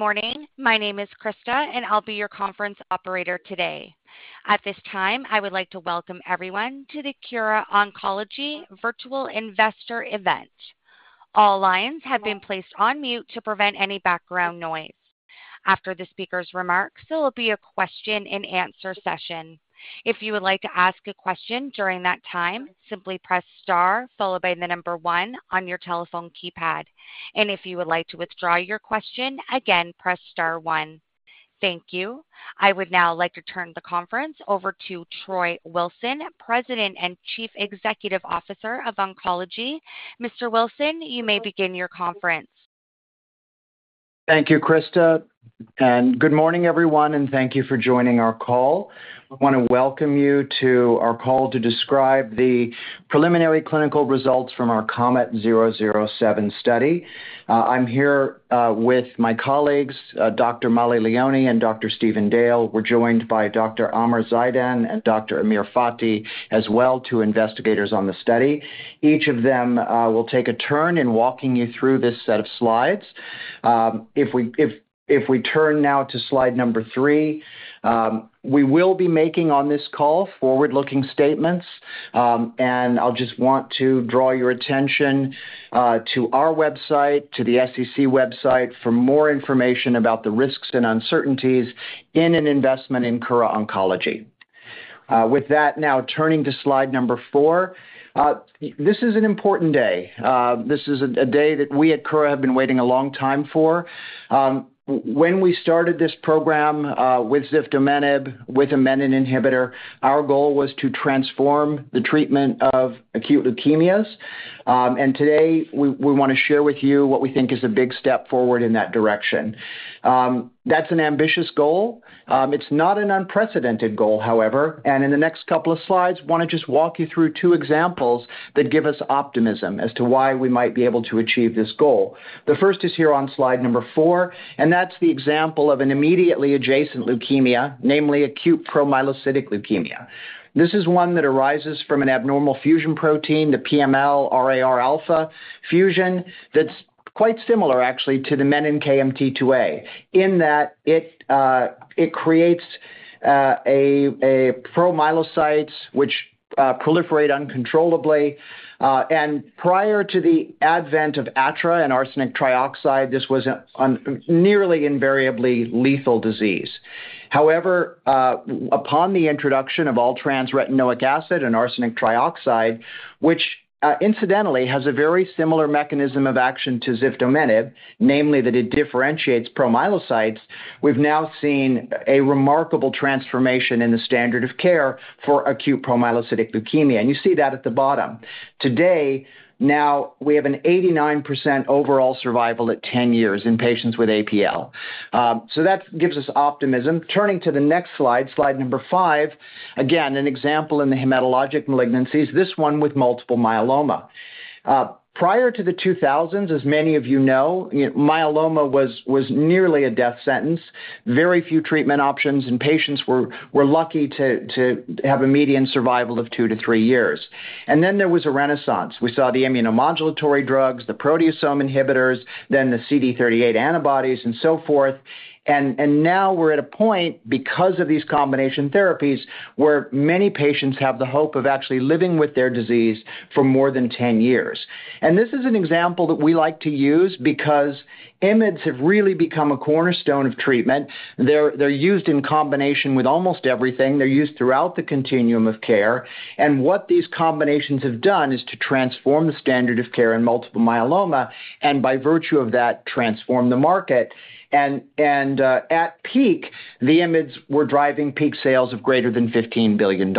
Good morning. My name is Krista, and I'll be your conference operator today. At this time, I would like to welcome everyone to the Kura Oncology Virtual Investor Event. All lines have been placed on mute to prevent any background noise. After the speaker's remarks, there will be a question-and-answer session. If you would like to ask a question during that time, simply press star followed by the number one on your telephone keypad. If you would like to withdraw your question, again, press star one. Thank you. I would now like to turn the conference over to Troy Wilson, President and Chief Executive Officer of Kura Oncology. Mr. Wilson, you may begin your conference. Thank you, Krista, and good morning, everyone, and thank you for joining our call. I want to welcome you to our call to describe the preliminary clinical results from our KOMET-007 study. I'm here with my colleagues, Dr. Mollie Leoni and Dr. Stephen Dale. We're joined by Dr. Amer Zeidan and Dr. Amir Fathi as well, two investigators on the study. Each of them will take a turn in walking you through this set of slides. If we turn now to slide number three, we will be making on this call forward-looking statements. And I'll just want to draw your attention to our website, to the SEC website for more information about the risks and uncertainties in an investment in Kura Oncology. With that, now turning to slide number four. This is an important day. This is a day that we at Kura have been waiting a long time for. When we started this program, with ziftomenib, with a menin inhibitor, our goal was to transform the treatment of acute leukemias. And today we, we want to share with you what we think is a big step forward in that direction. That's an ambitious goal. It's not an unprecedented goal, however, and in the next couple of slides, want to just walk you through two examples that give us optimism as to why we might be able to achieve this goal. The first is here on slide number four, and that's the example of an immediately adjacent leukemia, namely acute promyelocytic leukemia. This is one that arises from an abnormal fusion protein, the PML-RARα fusion, that's quite similar, actually, to the menin-KMT2A, in that it creates a promyelocytes which proliferate uncontrollably. Prior to the advent of ATRA and arsenic trioxide, this was a nearly invariably lethal disease. However, upon the introduction of all-trans retinoic acid and arsenic trioxide, which, incidentally, has a very similar mechanism of action to ziftomenib, namely, that it differentiates promyelocytes, we've now seen a remarkable transformation in the standard of care for acute promyelocytic leukemia, and you see that at the bottom. Today, now we have an 89% overall survival at 10 years in patients with APL. So that gives us optimism. Turning to the next slide, slide number five, again, an example in the hematologic malignancies, this one with multiple myeloma. Prior to the 2000s, as many of you know, myeloma was nearly a death sentence. Very few treatment options, and patients were lucky to have a median survival of two to three years. And then there was a renaissance. We saw the immunomodulatory drugs, the proteasome inhibitors, then the CD38 antibodies, and so forth. And now we're at a point, because of these combination therapies, where many patients have the hope of actually living with their disease for more than 10 years. And this is an example that we like to use because IMiDs have really become a cornerstone of treatment. They're used in combination with almost everything. They're used throughout the continuum of care. And what these combinations have done is to transform the standard of care in multiple myeloma, and by virtue of that, transform the market. And at peak, the IMiDs were driving peak sales of greater than $15 billion.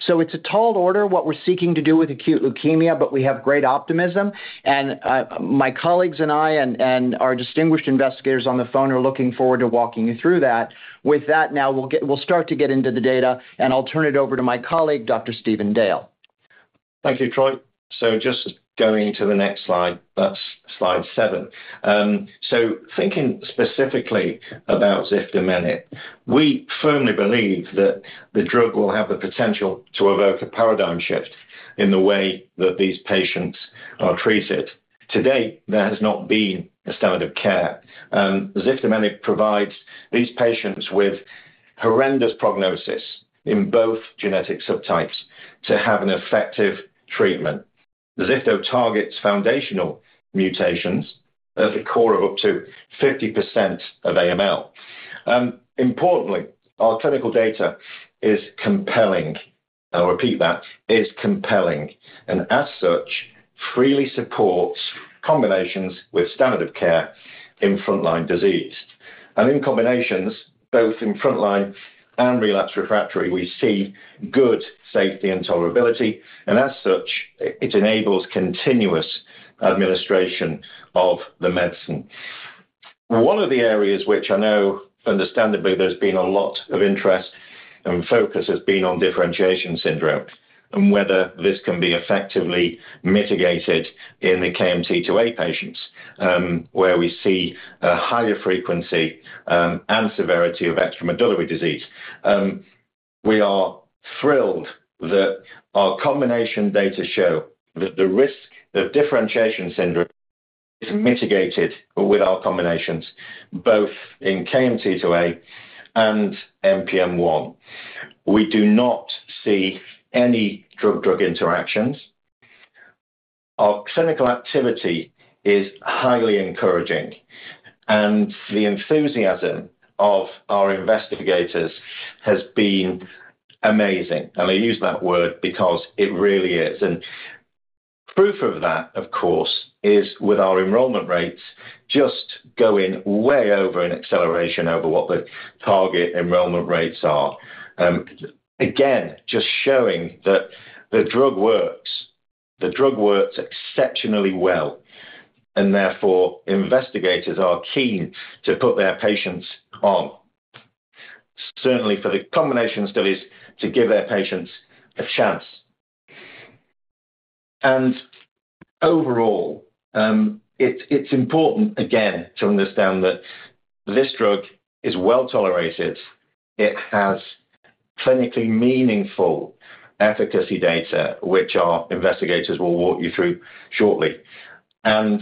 So it's a tall order, what we're seeking to do with acute leukemia, but we have great optimism. And my colleagues and I and our distinguished investigators on the phone are looking forward to walking you through that. With that, now we'll start to get into the data, and I'll turn it over to my colleague, Dr. Stephen Dale. Thank you, Troy. Just going to the next slide, that's slide seven. So thinking specifically about ziftomenib, we firmly believe that the drug will have the potential to evoke a paradigm shift in the way that these patients are treated. To date, there has not been a standard of care. Ziftomenib provides these patients with horrendous prognosis in both genetic subtypes to have an effective treatment. Ziftomenib targets foundational mutations at the core of up to 50% of AML. Importantly, our clinical data is compelling. I'll repeat that, is compelling, and as such, clearly supports combinations with standard of care in frontline disease. In combinations, both in frontline and relapse refractory, we see good safety and tolerability, and as such, it enables continuous administration of the medicine. One of the areas which I know understandably, there's been a lot of interest and focus, has been on differentiation syndrome and whether this can be effectively mitigated in the KMT2A patients, where we see a higher frequency, and severity of extramedullary disease. We are thrilled that our combination data show that the risk of differentiation syndrome is mitigated with our combinations, both in KMT2A and NPM1. We do not see any drug-drug interactions. Our clinical activity is highly encouraging, and the enthusiasm of our investigators has been amazing, and I use that word because it really is. And proof of that, of course, is with our enrollment rates just going way over in acceleration over what the target enrollment rates are. Again, just showing that the drug works, the drug works exceptionally well, and therefore, investigators are keen to put their patients on, certainly for the combination studies, to give their patients a chance. And overall, it's important, again, to understand that this drug is well-tolerated. It has clinically meaningful efficacy data, which our investigators will walk you through shortly, and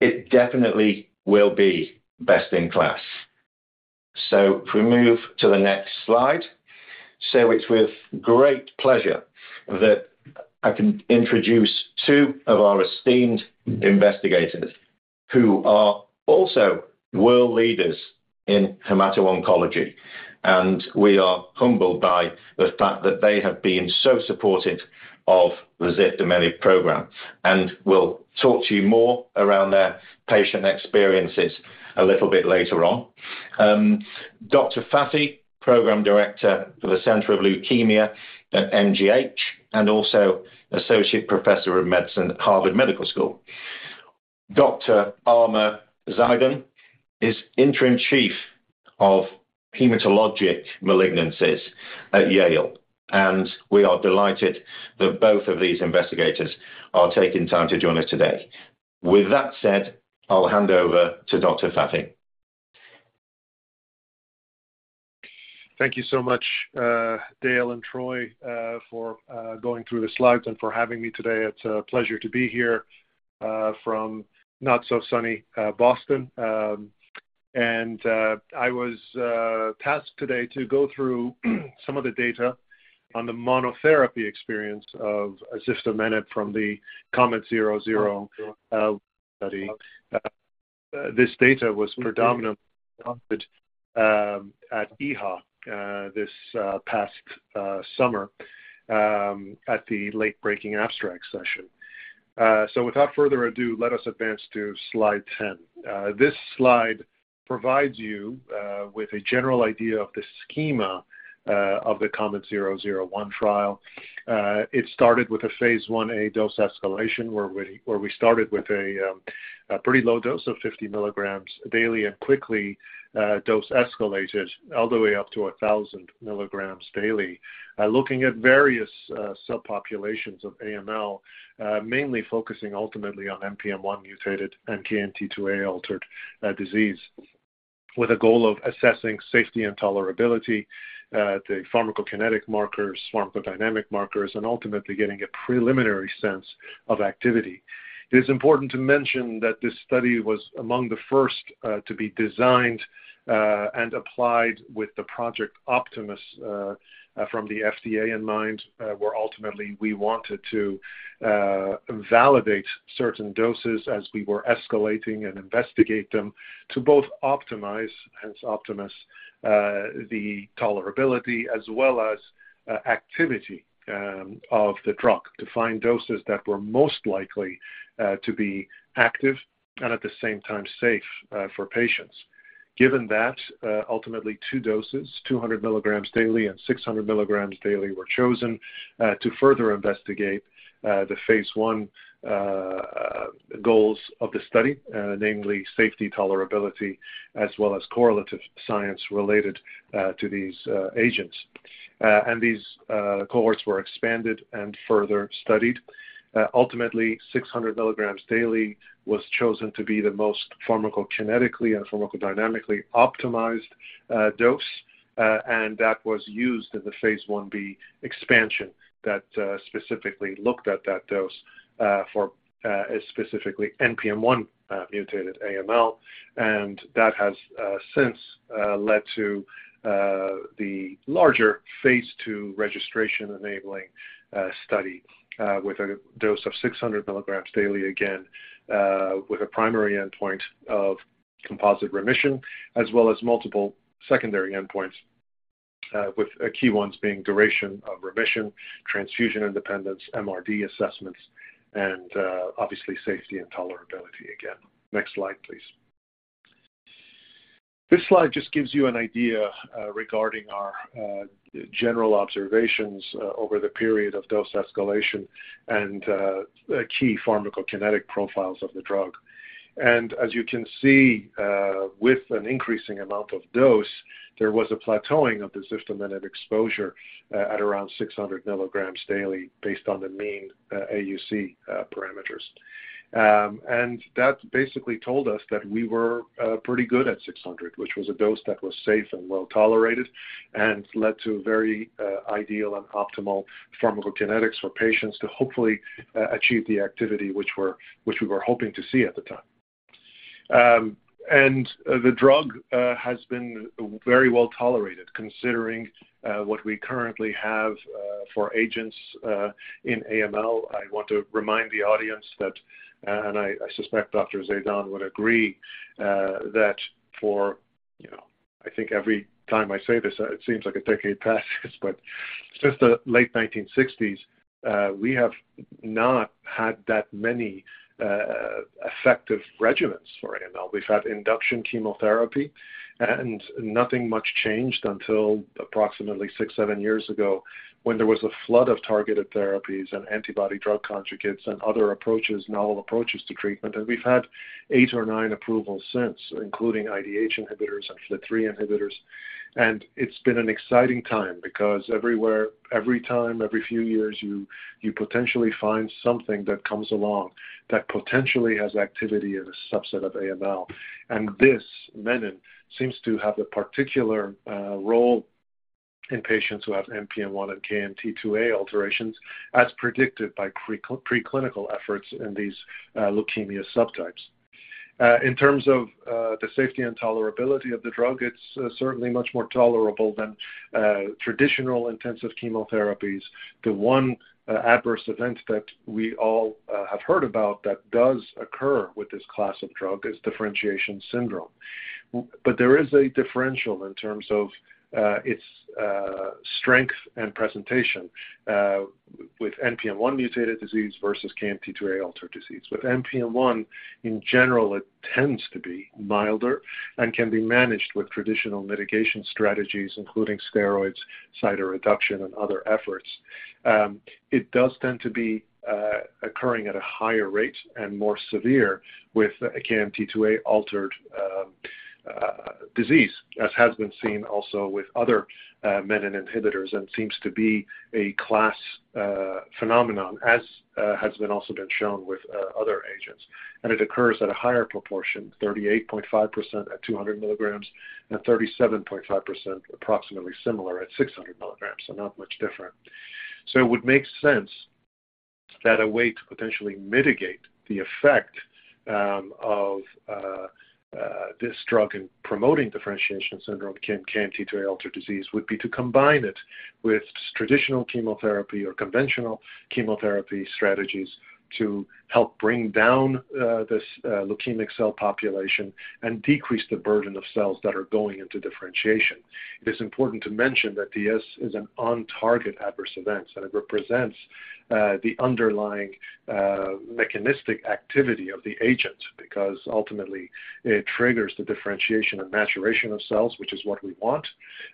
it definitely will be best in class. So if we move to the next slide. So it's with great pleasure that I can introduce two of our esteemed investigators who are also world leaders in hemato-oncology, and we are humbled by the fact that they have been so supportive of the ziftomenib program, and we'll talk to you more around their patient experiences a little bit later on. Dr. Fathi, Program Director for the Center for Leukemia at MGH, and also Associate Professor of Medicine at Harvard Medical School. Dr. Amer Zeidan is Interim Chief of Hematologic Malignancies at Yale, and we are delighted that both of these investigators are taking time to join us today. With that said, I'll hand over to Dr. Fathi. Thank you so much, Dale and Troy, for going through the slides and for having me today. It's a pleasure to be here, from not-so-sunny, Boston. I was tasked today to go through some of the data on the monotherapy experience of azacitidine from the KOMET-001 study. This data was predominantly at EHA this past summer at the late-breaking abstract session. Without further ado, let us advance to slide 10. This slide provides you with a general idea of the schema of the KOMET-001 trial. It started with a phase I-A dose escalation, where we started with a pretty low dose of 50 mg daily and quickly dose escalated all the way up to 1,000 mg daily. Looking at various subpopulations of AML, mainly focusing ultimately on NPM1-mutated and KMT2A-altered disease, with a goal of assessing safety and tolerability, the pharmacokinetic markers, pharmacodynamic markers, and ultimately getting a preliminary sense of activity. It is important to mention that this study was among the first to be designed and applied with the Project Optimus from the FDA in mind, where ultimately we wanted to validate certain doses as we were escalating and investigate them to both optimize, hence Optimus, the tolerability as well as activity, of the drug, to find doses that were most likely to be active and at the same time safe for patients. Given that, ultimately two doses, 200 mg daily and 600 mg daily, were chosen to further investigate the phase I goals of the study, namely safety, tolerability, as well as correlative science related to these agents. These cohorts were expanded and further studied. Ultimately, 600 mg daily was chosen to be the most pharmacokinetically and pharmacodynamically optimized dose, and that was used in the phase I-B expansion that specifically looked at that dose for specifically NPM1-mutated AML, and that has since led to the larger phase II registration-enabling study with a dose of 600 mg daily, again, with a primary endpoint of composite remission, as well as multiple secondary endpoints with the key ones being duration of remission, transfusion independence, MRD assessments, and obviously, safety and tolerability again. Next slide, please. This slide just gives you an idea regarding our general observations over the period of dose escalation and key pharmacokinetic profiles of the drug. As you can see, with an increasing amount of dose, there was a plateauing of the system and an exposure at around 600 mg daily based on the mean AUC parameters. That basically told us that we were pretty good at 600 mg, which was a dose that was safe and well-tolerated and led to very ideal and optimal pharmacokinetics for patients to hopefully achieve the activity which we were hoping to see at the time. The drug has been very well tolerated, considering what we currently have for agents in AML. I want to remind the audience that, and I suspect Dr. Zeidan would agree that for, you know, I think every time I say this, it seems like a decade passes, but since the late 1960s, we have not had that many effective regimens for AML. We've had induction chemotherapy, and nothing much changed until approximately six to seven years ago, when there was a flood of targeted therapies and antibody drug conjugates and other approaches, novel approaches to treatment. And we've had eight or nine approvals since, including IDH inhibitors and FLT3 inhibitors. And it's been an exciting time because everywhere, every time, every few years, you, you potentially find something that comes along that potentially has activity in a subset of AML. And this, menin, seems to have a particular role in patients who have NPM1 and KMT2A alterations, as predicted by preclinical efforts in these leukemia subtypes. In terms of the safety and tolerability of the drug, it's certainly much more tolerable than traditional intensive chemotherapies. The one adverse event that we all have heard about that does occur with this class of drug is differentiation syndrome. But there is a differential in terms of its strength and presentation with NPM1 mutated disease versus KMT2A altered disease. With NPM1, in general, it tends to be milder and can be managed with traditional mitigation strategies, including steroids, cytoreduction, and other efforts. It does tend to be occurring at a higher rate and more severe with a KMT2A altered disease, as has been seen also with other menin inhibitors and seems to be a class phenomenon, as has been also been shown with other agents. It occurs at a higher proportion, 38.5% at 200 mg and 37.5%, approximately similar at 600 mg, so not much different. It would make sense that a way to potentially mitigate the effect of this drug in promoting differentiation syndrome, KMT2A altered disease, would be to combine it with traditional chemotherapy or conventional chemotherapy strategies to help bring down this leukemic cell population and decrease the burden of cells that are going into differentiation. It is important to mention that DS is an on-target adverse event, and it represents the underlying mechanistic activity of the agent, because ultimately it triggers the differentiation and maturation of cells, which is what we want,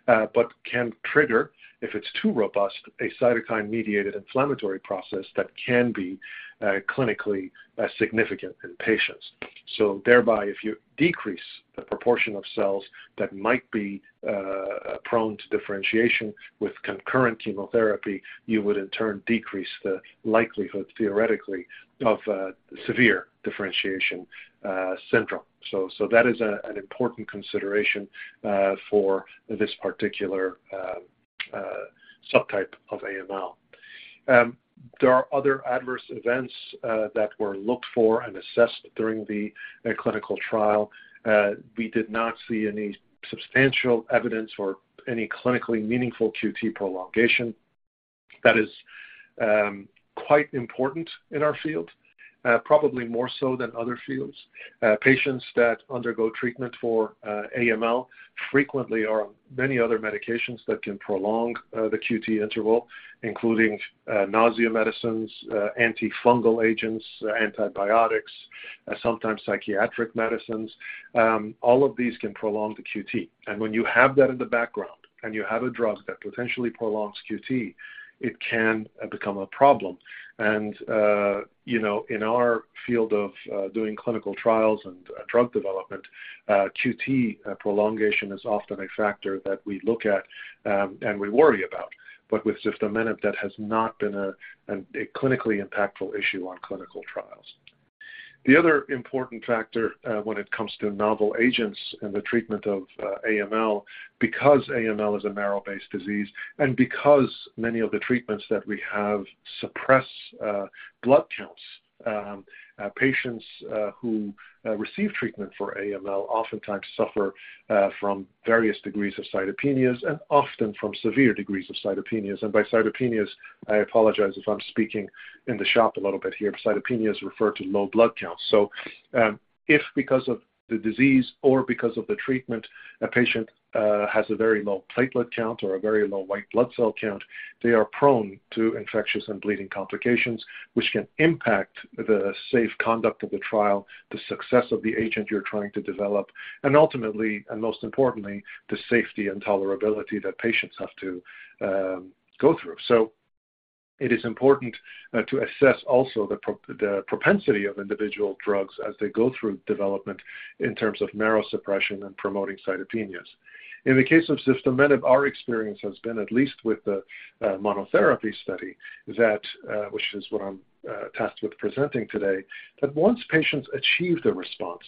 but can trigger, if it's too robust, a cytokine-mediated inflammatory process that can be clinically significant in patients. So thereby, if you decrease the proportion of cells that might be prone to differentiation with concurrent chemotherapy, you would in turn decrease the likelihood, theoretically, of severe differentiation syndrome. So that is an important consideration for this particular subtype of AML. There are other adverse events that were looked for and assessed during the clinical trial. We did not see any substantial evidence or any clinically meaningful QT prolongation. That is quite important in our field, probably more so than other fields. Patients that undergo treatment for AML frequently are on many other medications that can prolong the QT interval, including nausea medicines, antifungal agents, antibiotics, sometimes psychiatric medicines. All of these can prolong the QT. And when you have that in the background and you have a drug that potentially prolongs QT, it can become a problem. And you know, in our field of doing clinical trials and drug development, QT prolongation is often a factor that we look at, and we worry about. But with ziftomenib, that has not been a clinically impactful issue on clinical trials. The other important factor when it comes to novel agents in the treatment of AML, because AML is a marrow-based disease and because many of the treatments that we have suppress blood counts, patients who receive treatment for AML oftentimes suffer from various degrees of cytopenias and often from severe degrees of cytopenias. And by cytopenias, I apologize if I'm speaking in the shop a little bit here. Cytopenias refer to low blood counts. So, if because of the disease or because of the treatment, a patient has a very low platelet count or a very low white blood cell count, they are prone to infectious and bleeding complications, which can impact the safe conduct of the trial, the success of the agent you're trying to develop, and ultimately, and most importantly, the safety and tolerability that patients have to go through. So it is important to assess also the propensity of individual drugs as they go through development in terms of marrow suppression and promoting cytopenias. In the case of ziftomenib, our experience has been, at least with the monotherapy study, that which is what I'm tasked with presenting today, that once patients achieve the response.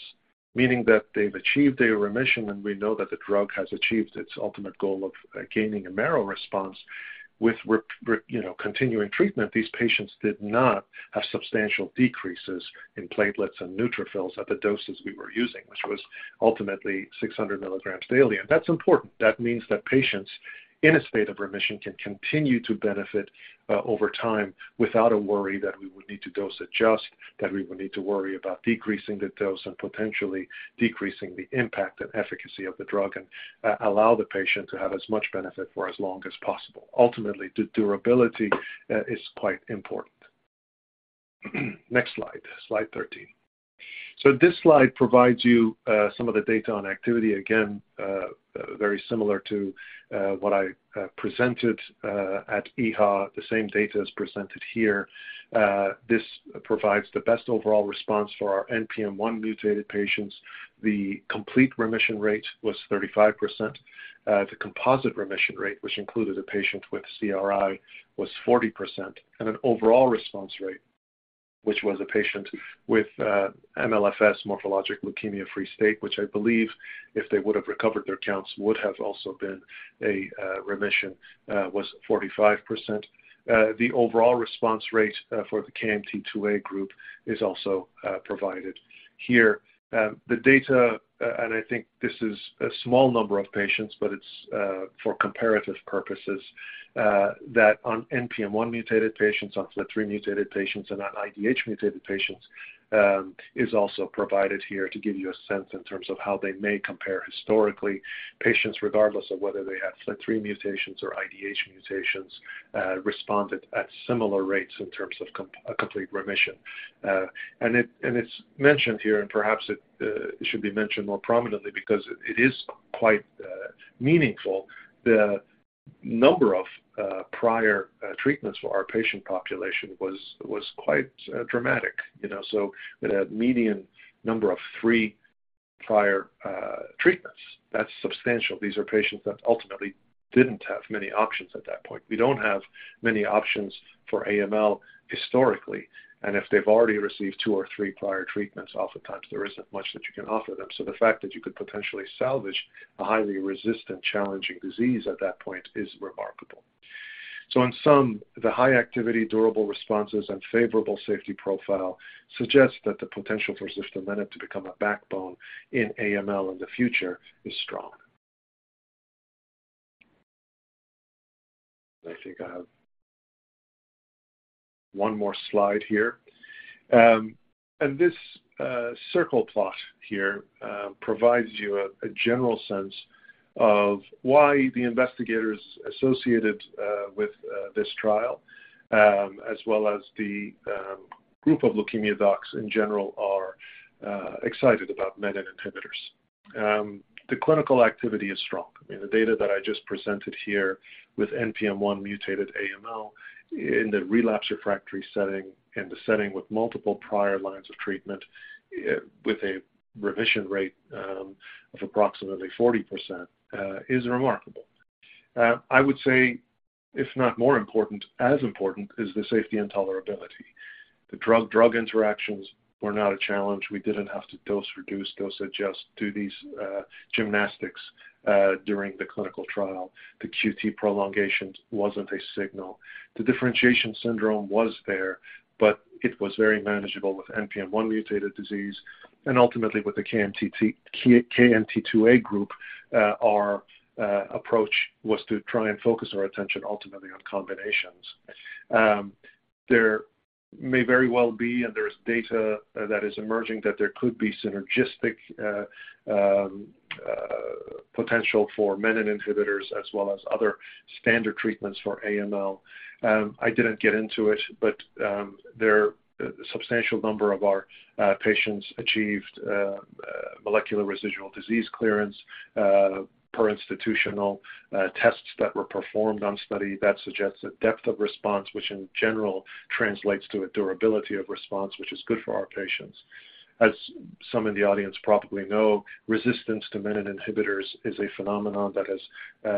Meaning that they've achieved a remission, and we know that the drug has achieved its ultimate goal of gaining a marrow response. With, you know, continuing treatment, these patients did not have substantial decreases in platelets and neutrophils at the doses we were using, which was ultimately 600 mg daily. And that's important. That means that patients in a state of remission can continue to benefit over time without a worry that we would need to dose adjust, that we would need to worry about decreasing the dose and potentially decreasing the impact and efficacy of the drug, and allow the patient to have as much benefit for as long as possible. Ultimately, the durability is quite important. Next slide, slide 13. So this slide provides you some of the data on activity. Again, very similar to what I presented at EHA. The same data is presented here. This provides the best overall response for our NPM1-mutated patients. The complete remission rate was 35%. The composite remission rate, which included a patient with CRi, was 40%, and an overall response rate, which was a patient with MLFS, morphologic leukemia-free state, which I believe, if they would have recovered, their counts would have also been a remission, was 45%. The overall response rate for the KMT2A group is also provided here. The data, and I think this is a small number of patients, but it's for comparative purposes that on NPM1-mutated patients, on FLT3-mutated patients, and on IDH-mutated patients is also provided here to give you a sense in terms of how they may compare historically. Patients, regardless of whether they have FLT3 mutations or IDH mutations, responded at similar rates in terms of a complete remission. And it's mentioned here, and perhaps it should be mentioned more prominently because it is quite meaningful. The number of prior treatments for our patient population was quite dramatic, you know. So it had median number of three prior treatments. That's substantial. These are patients that ultimately didn't have many options at that point. We don't have many options for AML historically, and if they've already received two or three prior treatments, oftentimes there isn't much that you can offer them. So the fact that you could potentially salvage a highly resistant, challenging disease at that point is remarkable. So in sum, the high activity, durable responses, and favorable safety profile suggests that the potential for ziftomenib to become a backbone in AML in the future is strong. I think I have one more slide here. And this circle plot here provides you a general sense of why the investigators associated with this trial, as well as the group of leukemia docs in general, are excited about menin inhibitors. The clinical activity is strong. I mean, the data that I just presented here with NPM1-mutated AML in the relapse refractory setting, in the setting with multiple prior lines of treatment, with a remission rate of approximately 40%, is remarkable. I would say if not more important, as important is the safety and tolerability. The drug-drug interactions were not a challenge. We didn't have to dose reduce, dose adjust, do these gymnastics during the clinical trial. The QT prolongation wasn't a signal. The differentiation syndrome was there, but it was very manageable with NPM1-mutated disease and ultimately with the KMT2A group, our approach was to try and focus our attention ultimately on combinations. There may very well be, and there's data that is emerging, that there could be synergistic potential for menin inhibitors as well as other standard treatments for AML. I didn't get into it, but a substantial number of our patients achieved molecular residual disease clearance per institutional tests that were performed on study. That suggests a depth of response, which in general translates to a durability of response, which is good for our patients. As some in the audience probably know, resistance to menin inhibitors is a phenomenon that has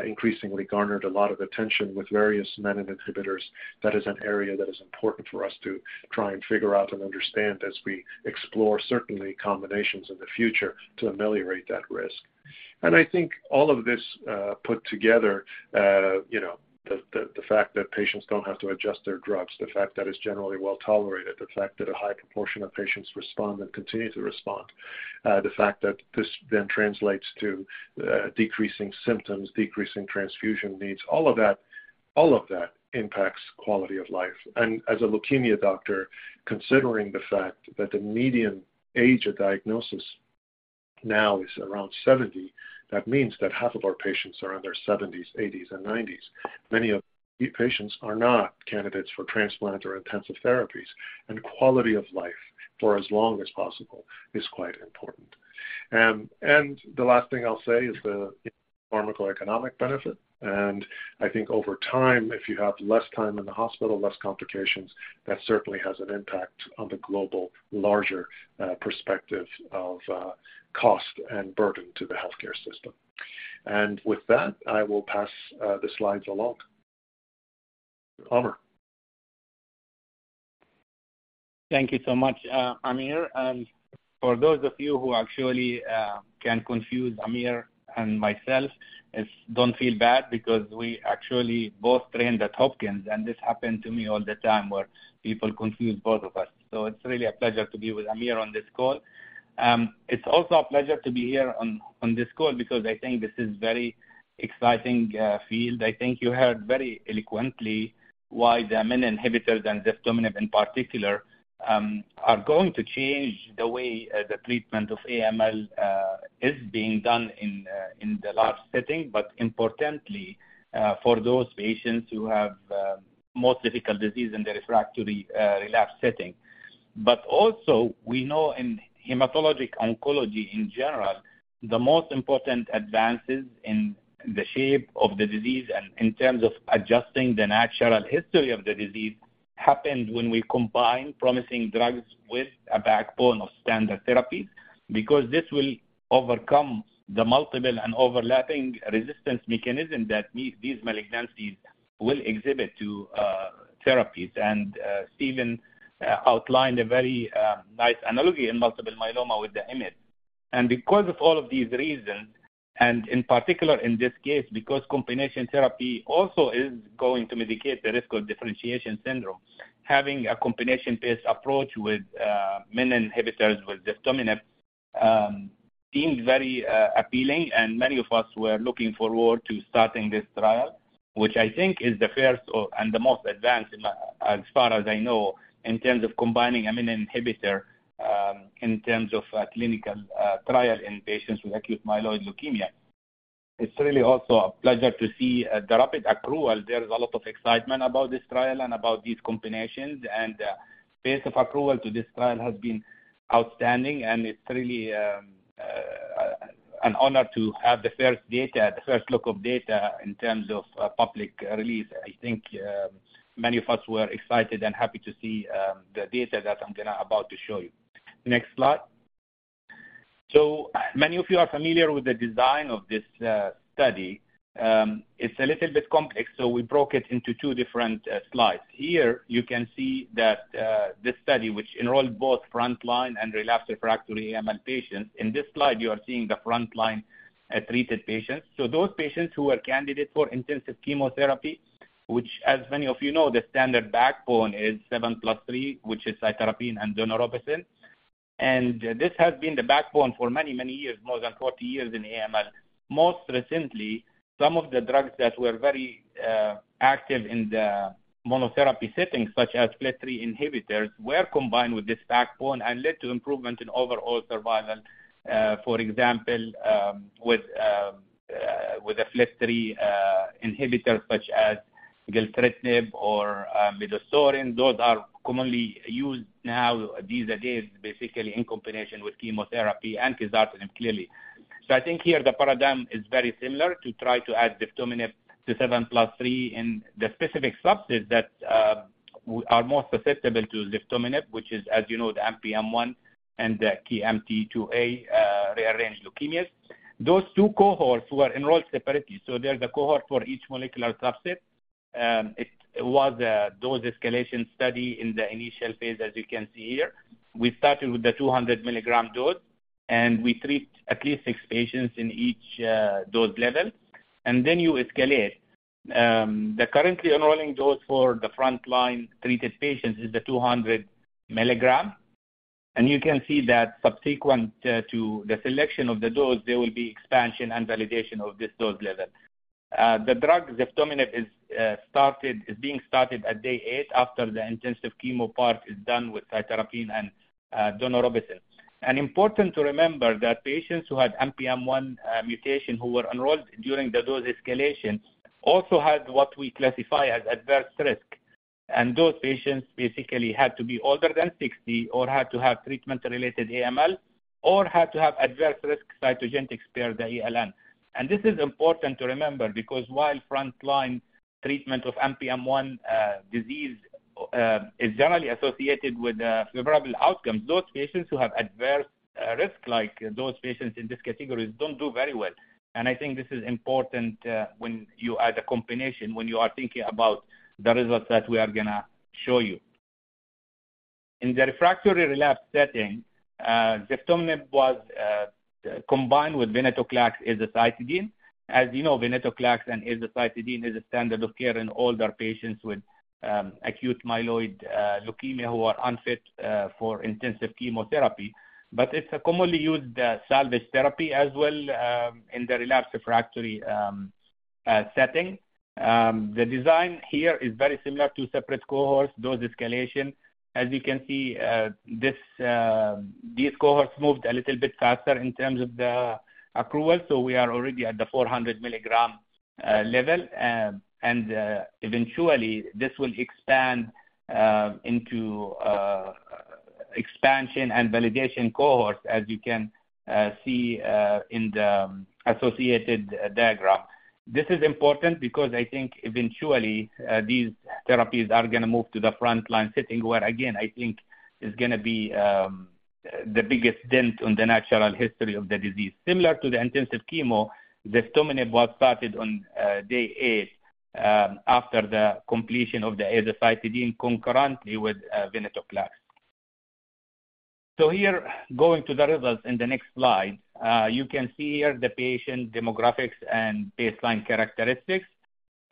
increasingly garnered a lot of attention with various menin inhibitors. That is an area that is important for us to try and figure out and understand as we explore, certainly, combinations in the future to ameliorate that risk. I think all of this put together, you know, the fact that patients don't have to adjust their drugs, the fact that it's generally well-tolerated, the fact that a high proportion of patients respond and continue to respond, the fact that this then translates to decreasing symptoms, decreasing transfusion needs, all of that impacts quality of life. And as a leukemia doctor, considering the fact that the median age of diagnosis now is around 70, that means that half of our patients are in their 70s, 80s, and 90s. Many of these patients are not candidates for transplant or intensive therapies, and quality of life for as long as possible is quite important. And the last thing I'll say is the pharmacoeconomic benefit. And I think over time, if you have less time in the hospital, less complications, that certainly has an impact on the global, larger, perspective of, cost and burden to the healthcare system. And with that, I will pass the slides along. Amer? Thank you so much, Amir. And for those of you who actually can confuse Amir and myself, don't feel bad because we actually both trained at Hopkins, and this happened to me all the time where people confuse both of us. So it's really a pleasure to be with Amir on this call. It's also a pleasure to be here on this call because I think this is very exciting field. I think you heard very eloquently why the menin inhibitors and ziftomenib, in particular, are going to change the way the treatment of AML is being done in the relapse setting, but importantly, for those patients who have more difficult disease in the refractory relapse setting. But also, we know in hematologic oncology in general, the most important advances in the shape of the disease and in terms of adjusting the natural history of the disease happens when we combine promising drugs with a backbone of standard therapy, because this will overcome the multiple and overlapping resistance mechanism that these malignancies will exhibit to therapies. And Stephen outlined a very nice analogy in multiple myeloma with the IMiD. Because of all of these reasons, and in particular in this case, because combination therapy also is going to mitigate the risk of differentiation syndrome, having a combination-based approach with menin inhibitors, with ziftomenib, seems very appealing, and many of us were looking forward to starting this trial, which I think is the first or, and the most advanced, as far as I know, in terms of combining a menin inhibitor, in terms of a clinical trial in patients with acute myeloid leukemia. It's really also a pleasure to see a rapid approval. There is a lot of excitement about this trial and about these combinations, and pace of approval to this trial has been outstanding, and it's really an honor to have the first data, the first look of data in terms of public release. I think, many of us were excited and happy to see, the data that I'm about to show you. Next slide. So many of you are familiar with the design of this, study. It's a little bit complex, so we broke it into two different, slides. Here you can see that, this study, which enrolled both frontline and relapsed/refractory AML patients. In this slide, you are seeing the frontline, treated patients. So those patients who are candidates for intensive chemotherapy, which as many of you know, the standard backbone is 7+3, which is cytarabine and daunorubicin. And this has been the backbone for many, many years, more than 40 years in AML. Most recently, some of the drugs that were very, active in the monotherapy settings, such as FLT3 inhibitors, were combined with this backbone and led to improvement in overall survival. For example, with a FLT3 inhibitor such as gilteritinib or midostaurin, those are commonly used now these days, basically in combination with chemotherapy and quizartinib, clearly. So I think here the paradigm is very similar to try to add ziftomenib to 7+3 in the specific subsets that are more susceptible to ziftomenib, which is, as you know, the NPM1 and the KMT2A rearranged leukemias. Those two cohorts were enrolled separately, so they're the cohort for each molecular subset. It was a dose-escalation study in the initial phase, as you can see here. We started with the 200 mg dose, and we treat at least six patients in each dose level, and then you escalate. The currently enrolling dose for the frontline-treated patients is the 200 mg, and you can see that subsequent to the selection of the dose, there will be expansion and validation of this dose level. The drug, ziftomenib, is being started at day eight after the intensive chemo part is done with cytarabine and daunorubicin. Important to remember that patients who had NPM1 mutation, who were enrolled during the dose escalation, also had what we classify as adverse risk. Those patients basically had to be older than 60 or had to have treatment-related AML, or had to have adverse risk cytogenetics per the ELN. This is important to remember because while frontline treatment of NPM1 disease is generally associated with favorable outcomes, those patients who have adverse risk, like those patients in this category, don't do very well. I think this is important when you add a combination, when you are thinking about the results that we are going to show you. In the refractory relapse setting, ziftomenib was combined with venetoclax azacitidine. As you know, venetoclax and azacitidine is a standard of care in older patients with acute myeloid leukemia who are unfit for intensive chemotherapy, but it's a commonly used salvage therapy as well in the relapsed refractory setting. The design here is very similar to separate cohorts, dose escalation. As you can see, this, these cohorts moved a little bit faster in terms of the approval, so we are already at the 400 mg level, and eventually, this will expand into expansion and validation cohorts, as you can see in the associated diagram. This is important because I think eventually, these therapies are going to move to the frontline setting, where again, I think it's going to be the biggest dent on the natural history of the disease. Similar to the intensive chemo, the ziftomenib was started on day eight after the completion of the azacitidine concurrently with venetoclax. So here, going to the results in the next slide, you can see here the patient demographics and baseline characteristics.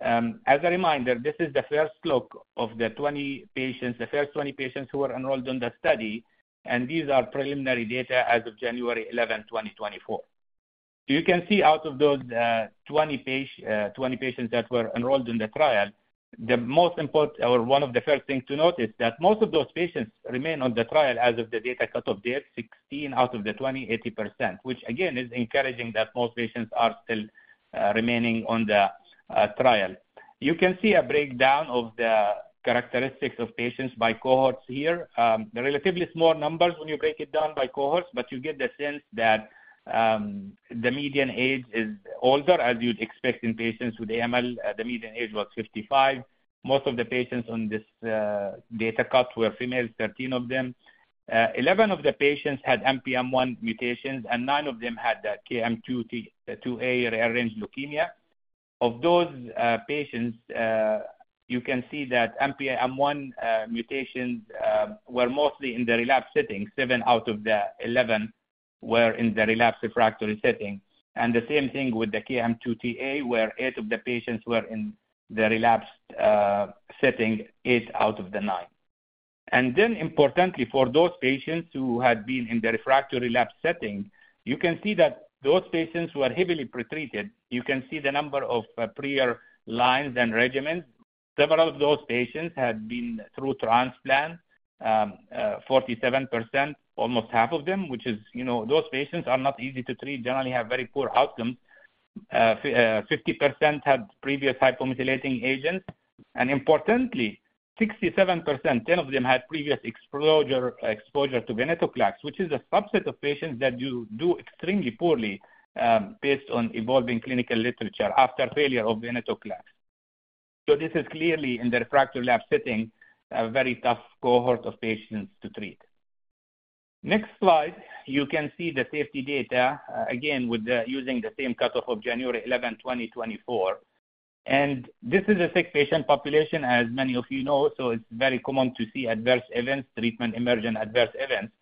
As a reminder, this is the first look of the 20 patients, the first 20 patients who were enrolled in the study, and these are preliminary data as of January 11, 2024. So you can see out of those, 20 patients that were enrolled in the trial, the most important or one of the first things to note is that most of those patients remain on the trial as of the data cut-off date, 16 out of the 20, 80%, which again, is encouraging that most patients are still remaining on the trial. You can see a breakdown of the characteristics of patients by cohorts here. The relatively small numbers when you break it down by cohorts, but you get the sense that, the median age is older, as you'd expect in patients with AML. The median age was 55. Most of the patients on this data cut were females, 13 of them. 11 of the patients had NPM1 mutations, and nine of them had the KMT2A rearranged leukemia. Of those patients, you can see that NPM1 mutations were mostly in the relapse setting. Seven out of the 11 were in the relapse refractory setting, and the same thing with the KMT2A, where eight of the patients were in the relapsed setting, eight out of the nine. And then importantly, for those patients who had been in the refractory relapse setting, you can see that those patients were heavily pretreated. You can see the number of prior lines and regimens. Several of those patients had been through transplant, 47%, almost half of them, which is, you know, those patients are not easy to treat, generally have very poor outcomes. 50% had previous hypomethylating agents, and importantly, 67%, 10 of them, had previous exposure, exposure to venetoclax, which is a subset of patients that do, do extremely poorly, based on evolving clinical literature after failure of venetoclax. So this is clearly in the refractory relapse setting, a very tough cohort of patients to treat. Next slide, you can see the safety data, again, with the using the same cutoff of January 11, 2024. This is a sick patient population, as many of you know, so it's very common to see adverse events, treatment emergent adverse events.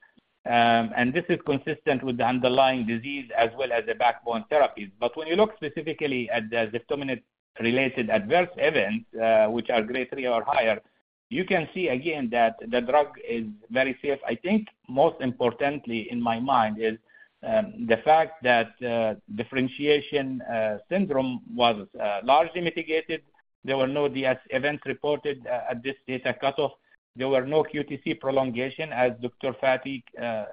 This is consistent with the underlying disease as well as the backbone therapies. But when you look specifically at the ziftomenib-related adverse events, which are grade 3 or higher, you can see again that the drug is very safe. I think most importantly in my mind is, the fact that, differentiation syndrome was largely mitigated. There were no DS events reported at this data cutoff. There were no QTc prolongation, as Dr. Fathi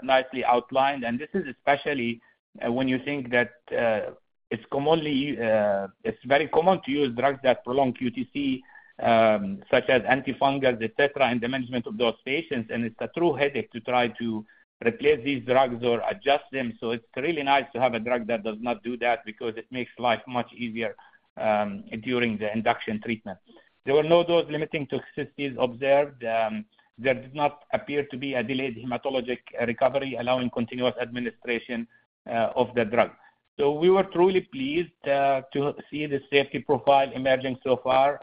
nicely outlined, and this is especially when you think that, it's commonly. It's very common to use drugs that prolong QTc, such as antifungals, et cetera, in the management of those patients, and it's a true headache to try to replace these drugs or adjust them. So it's really nice to have a drug that does not do that because it makes life much easier during the induction treatment. There were no dose-limiting toxicities observed. There did not appear to be a delayed hematologic recovery, allowing continuous administration of the drug. So we were truly pleased to see the safety profile emerging so far.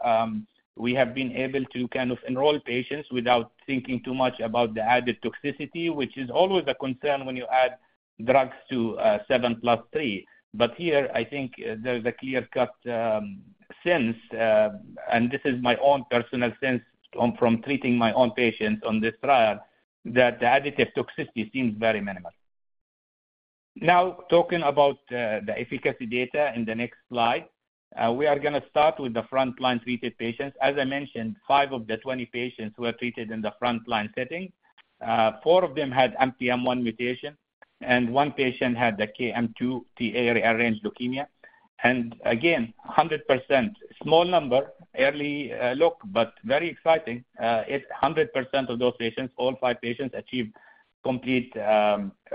We have been able to kind of enroll patients without thinking too much about the added toxicity, which is always a concern when you add drugs to 7+3. But here, I think there's a clear-cut sense and this is my own personal sense from treating my own patients on this trial, that the additive toxicity seems very minimal. Now, talking about the efficacy data in the next slide, we are going to start with the frontline treated patients. As I mentioned, five of the 20 patients were treated in the frontline setting. Four of them had NPM1 mutation, and one patient had the KMT2A rearranged leukemia. Again, 100%, small number, early look, but very exciting. It's 100% of those patients; all five patients achieved complete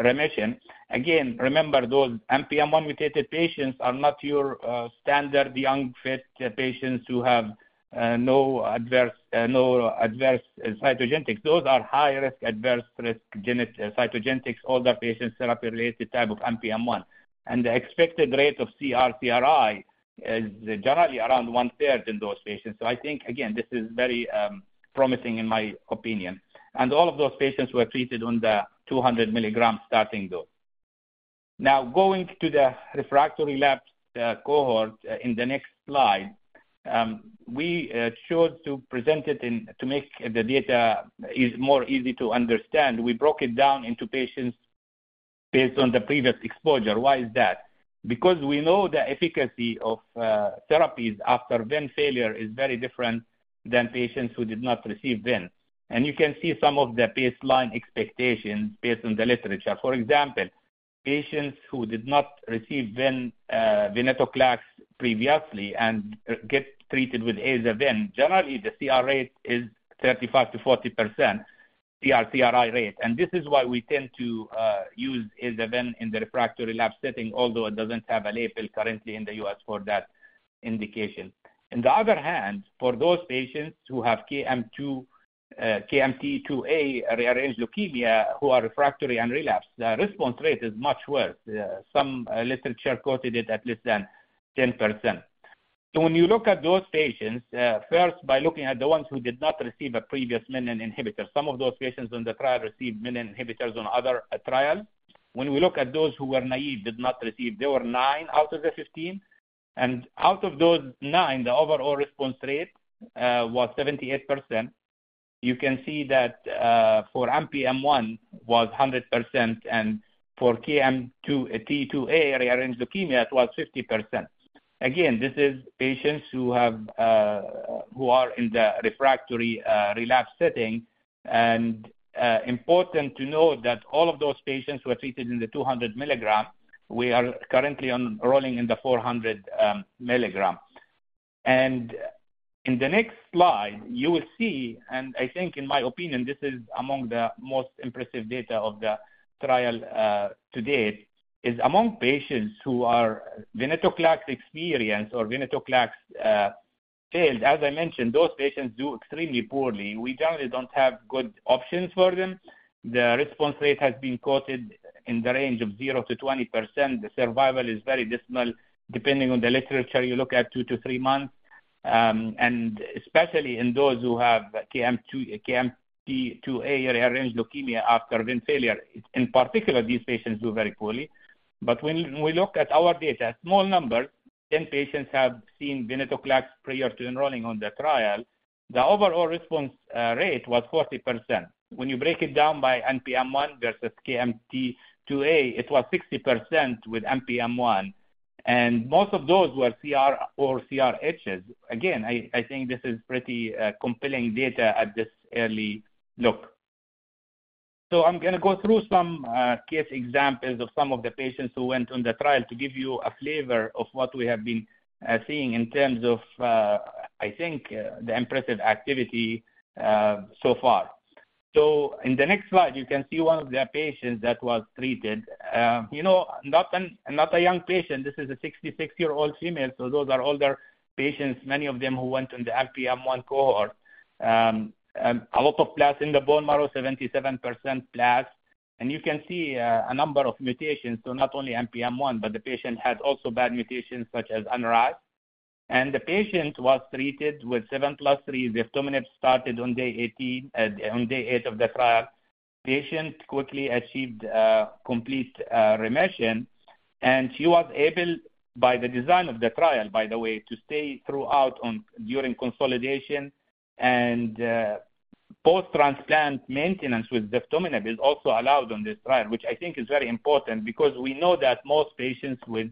remission. Again, remember, those NPM1-mutated patients are not your standard young, fit patients who have no adverse cytogenetics. Those are high-risk, adverse-risk cytogenetics, older patients, therapy-related type of NPM1. And the expected rate of CR/CRi is generally around 1/3 in those patients. So I think, again, this is very promising in my opinion. And all of those patients were treated on the 200 mg starting dose. Now, going to the refractory relapsed, cohort in the next slide, we chose to present it in- to make the data is more easy to understand. We broke it down into patients based on the previous exposure. Why is that? Because we know the efficacy of, therapies after ven failure is very different than patients who did not receive ven. And you can see some of the baseline expectations based on the literature. For example, patients who did not receive ven, venetoclax previously and, get treated with Ven/Aza, generally, the CR rate is 35%-40% CR/CRi rate, and this is why we tend to, use Ven/Aza in the refractory relapsed setting although it doesn't have a label currently in the U.S. for that indication. On the other hand, for those patients who have KMT2A rearranged leukemia who are refractory and relapse. The response rate is much worse. Some literature quoted it at less than 10%. So when you look at those patients, first by looking at the ones who did not receive a previous menin inhibitor, some of those patients on the trial received menin inhibitors on other trial. When we look at those who were naive, did not receive, there were nine out of the 15, and out of those nine, the overall response rate was 78%. You can see that, for NPM1 was 100%, and for KMT2A rearranged leukemia, it was 50%. Again, this is patients who have, who are in the refractory, relapse setting. And, important to note that all of those patients were treated in the 200 mg. We are currently enrolling in the 400 mg. In the next slide, you will see, and I think in my opinion, this is among the most impressive data of the trial to date, is among patients who are venetoclax experienced or venetoclax failed, as I mentioned, those patients do extremely poorly. We generally don't have good options for them. The response rate has been quoted in the range of 0%-20%. The survival is very dismal, depending on the literature you look at two to three months. And especially in those who have KMT2A rearrange leukemia after ven failure. In particular, these patients do very poorly. But when we look at our data, small number, 10 patients have seen venetoclax prior to enrolling on the trial. The overall response rate was 40%. When you break it down by NPM1 versus KMT2A, it was 60% with NPM1, and most of those were CR or CRhs. Again, I think this is pretty compelling data at this early look. So I'm going to go through some case examples of some of the patients who went on the trial to give you a flavor of what we have been seeing in terms of I think the impressive activity so far. So in the next slide, you can see one of the patients that was treated. You know, not an, not a young patient. This is a 66-year-old female, so those are older patients, many of them who went on the NPM1 cohort. A lot of blast in the bone marrow, 77% blast, and you can see a number of mutations. So not only NPM1, but the patient had also bad mutations such as NRAS. The patient was treated with 7+3. Ziftomenib started on day 18, on day eight of the trial. Patient quickly achieved complete remission, and she was able, by the design of the trial, by the way, to stay throughout on during consolidation and post-transplant maintenance with ziftomenib is also allowed on this trial, which I think is very important because we know that most patients with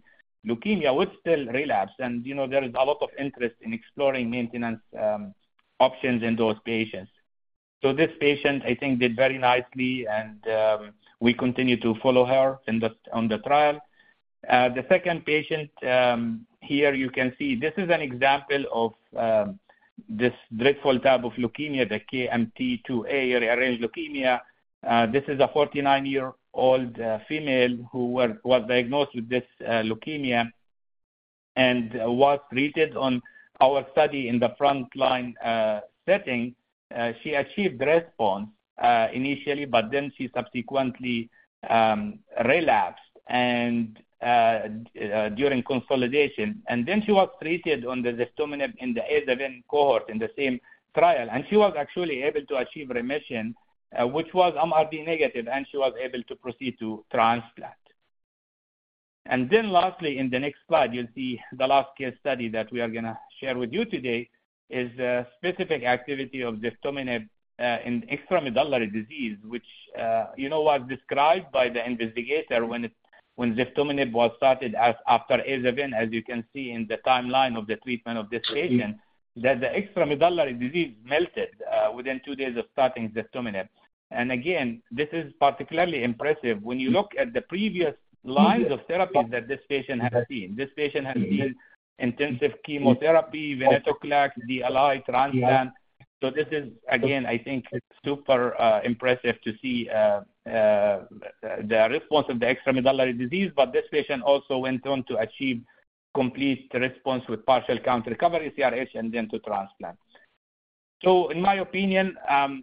leukemia would still relapse. And you know, there is a lot of interest in exploring maintenance options in those patients. So this patient, I think, did very nicely, and we continue to follow her on the trial. The second patient, here you can see this is an example of this dreadful type of leukemia, the KMT2A-rearranged leukemia. This is a 49-year-old female who was diagnosed with this leukemia and was treated on our study in the frontline setting. She achieved response initially, but then she subsequently relapsed during consolidation. Then she was treated on the ziftomenib in the Ven/Aza cohort in the same trial, and she was actually able to achieve remission, which was MRD negative, and she was able to proceed to transplant. And then lastly, in the next slide, you'll see the last case study that we are going to share with you today is a specific activity of ziftomenib in extramedullary disease, which, you know, was described by the investigator when ziftomenib was started after azacitidine, as you can see in the timeline of the treatment of this patient, that the extramedullary disease melted within two days of starting ziftomenib. And again, this is particularly impressive when you look at the previous lines of therapy that this patient has seen. This patient has seen intensive chemotherapy, venetoclax, DLI transplant. So this is, again, I think, super impressive to see the response of the extramedullary disease, but this patient also went on to achieve complete response with partial count recovery, CRh, and then to transplant. So in my opinion,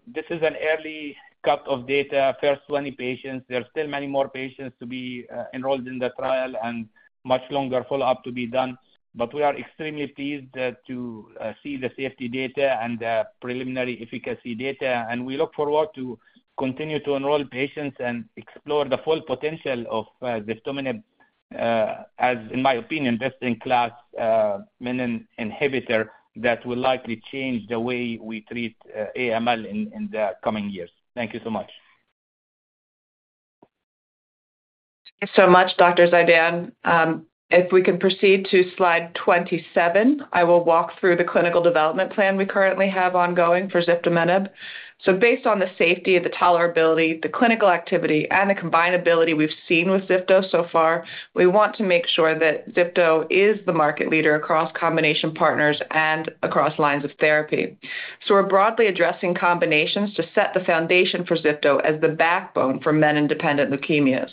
this is an early cut of data, first 20 patients. There are still many more patients to be enrolled in the trial and much longer follow-up to be done, but we are extremely pleased to see the safety data and the preliminary efficacy data, and we look forward to continue to enroll patients and explore the full potential of ziftomenib, as in my opinion, best-in-class menin inhibitor that will likely change the way we treat AML in the coming years. Thank you so much. Thank you so much, Dr. Zeidan. If we can proceed to slide 27, I will walk through the clinical development plan we currently have ongoing for ziftomenib. Based on the safety, the tolerability, the clinical activity, and the combinability we've seen with zifto so far, we want to make sure that zifto is the market leader across combination partners and across lines of therapy. We're broadly addressing combinations to set the foundation for zifto as the backbone for menin-dependent leukemias.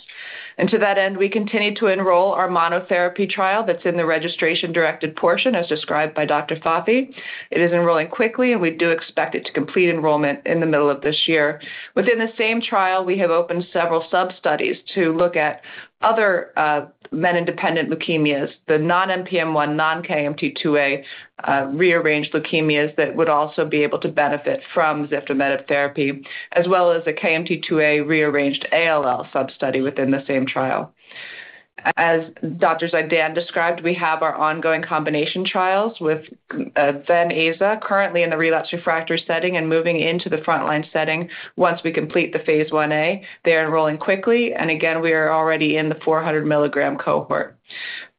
And to that end, we continue to enroll our monotherapy trial that's in the registration-directed portion, as described by Dr. Fathi. It is enrolling quickly, and we do expect it to complete enrollment in the middle of this year. Within the same trial, we have opened several substudies to look at other, menin-independent leukemias, the non-NPM1, non-KMT2A, rearranged leukemias that would also be able to benefit from ziftomenib therapy, as well as a KMT2A rearranged ALL substudy within the same trial. As Dr. Zeidan described, we have our ongoing combination trials with, Ven/Aza, currently in the relapsed/refractory setting and moving into the frontline setting once we complete the phase I-A. They are enrolling quickly, and again, we are already in the 400 mg cohort.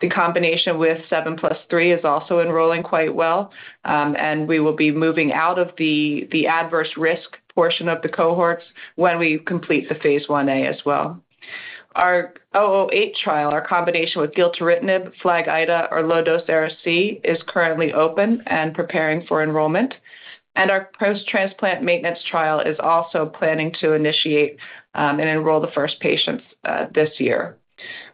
The combination with 7+3 is also enrolling quite well, and we will be moving out of the adverse risk portion of the cohorts when we complete the phase I-A as well. Our 008 trial, our combination with gilteritinib, FLAG-IDA, or low-dose Ara-C, is currently open and preparing for enrollment, and our post-transplant maintenance trial is also planning to initiate and enroll the first patients this year.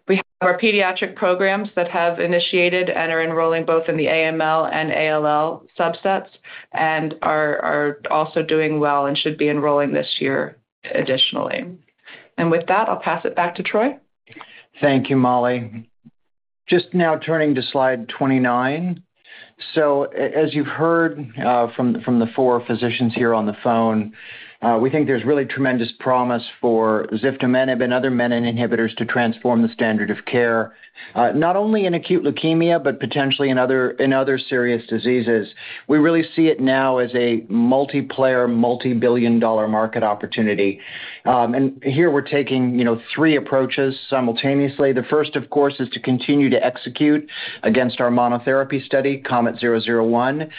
We have our pediatric programs that have initiated and are enrolling both in the AML and ALL subsets and are also doing well and should be enrolling this year additionally. With that, I'll pass it back to Troy. Thank you, Mollie. Just now turning to slide 29. So as you've heard from the four physicians here on the phone, we think there's really tremendous promise for ziftomenib and other menin inhibitors to transform the standard of care, not only in acute leukemia, but potentially in other serious diseases. We really see it now as a multiplayer, multibillion-dollar market opportunity. And here we're taking, you know, three approaches simultaneously. The first, of course, is to continue to execute against our monotherapy study, KOMET-001,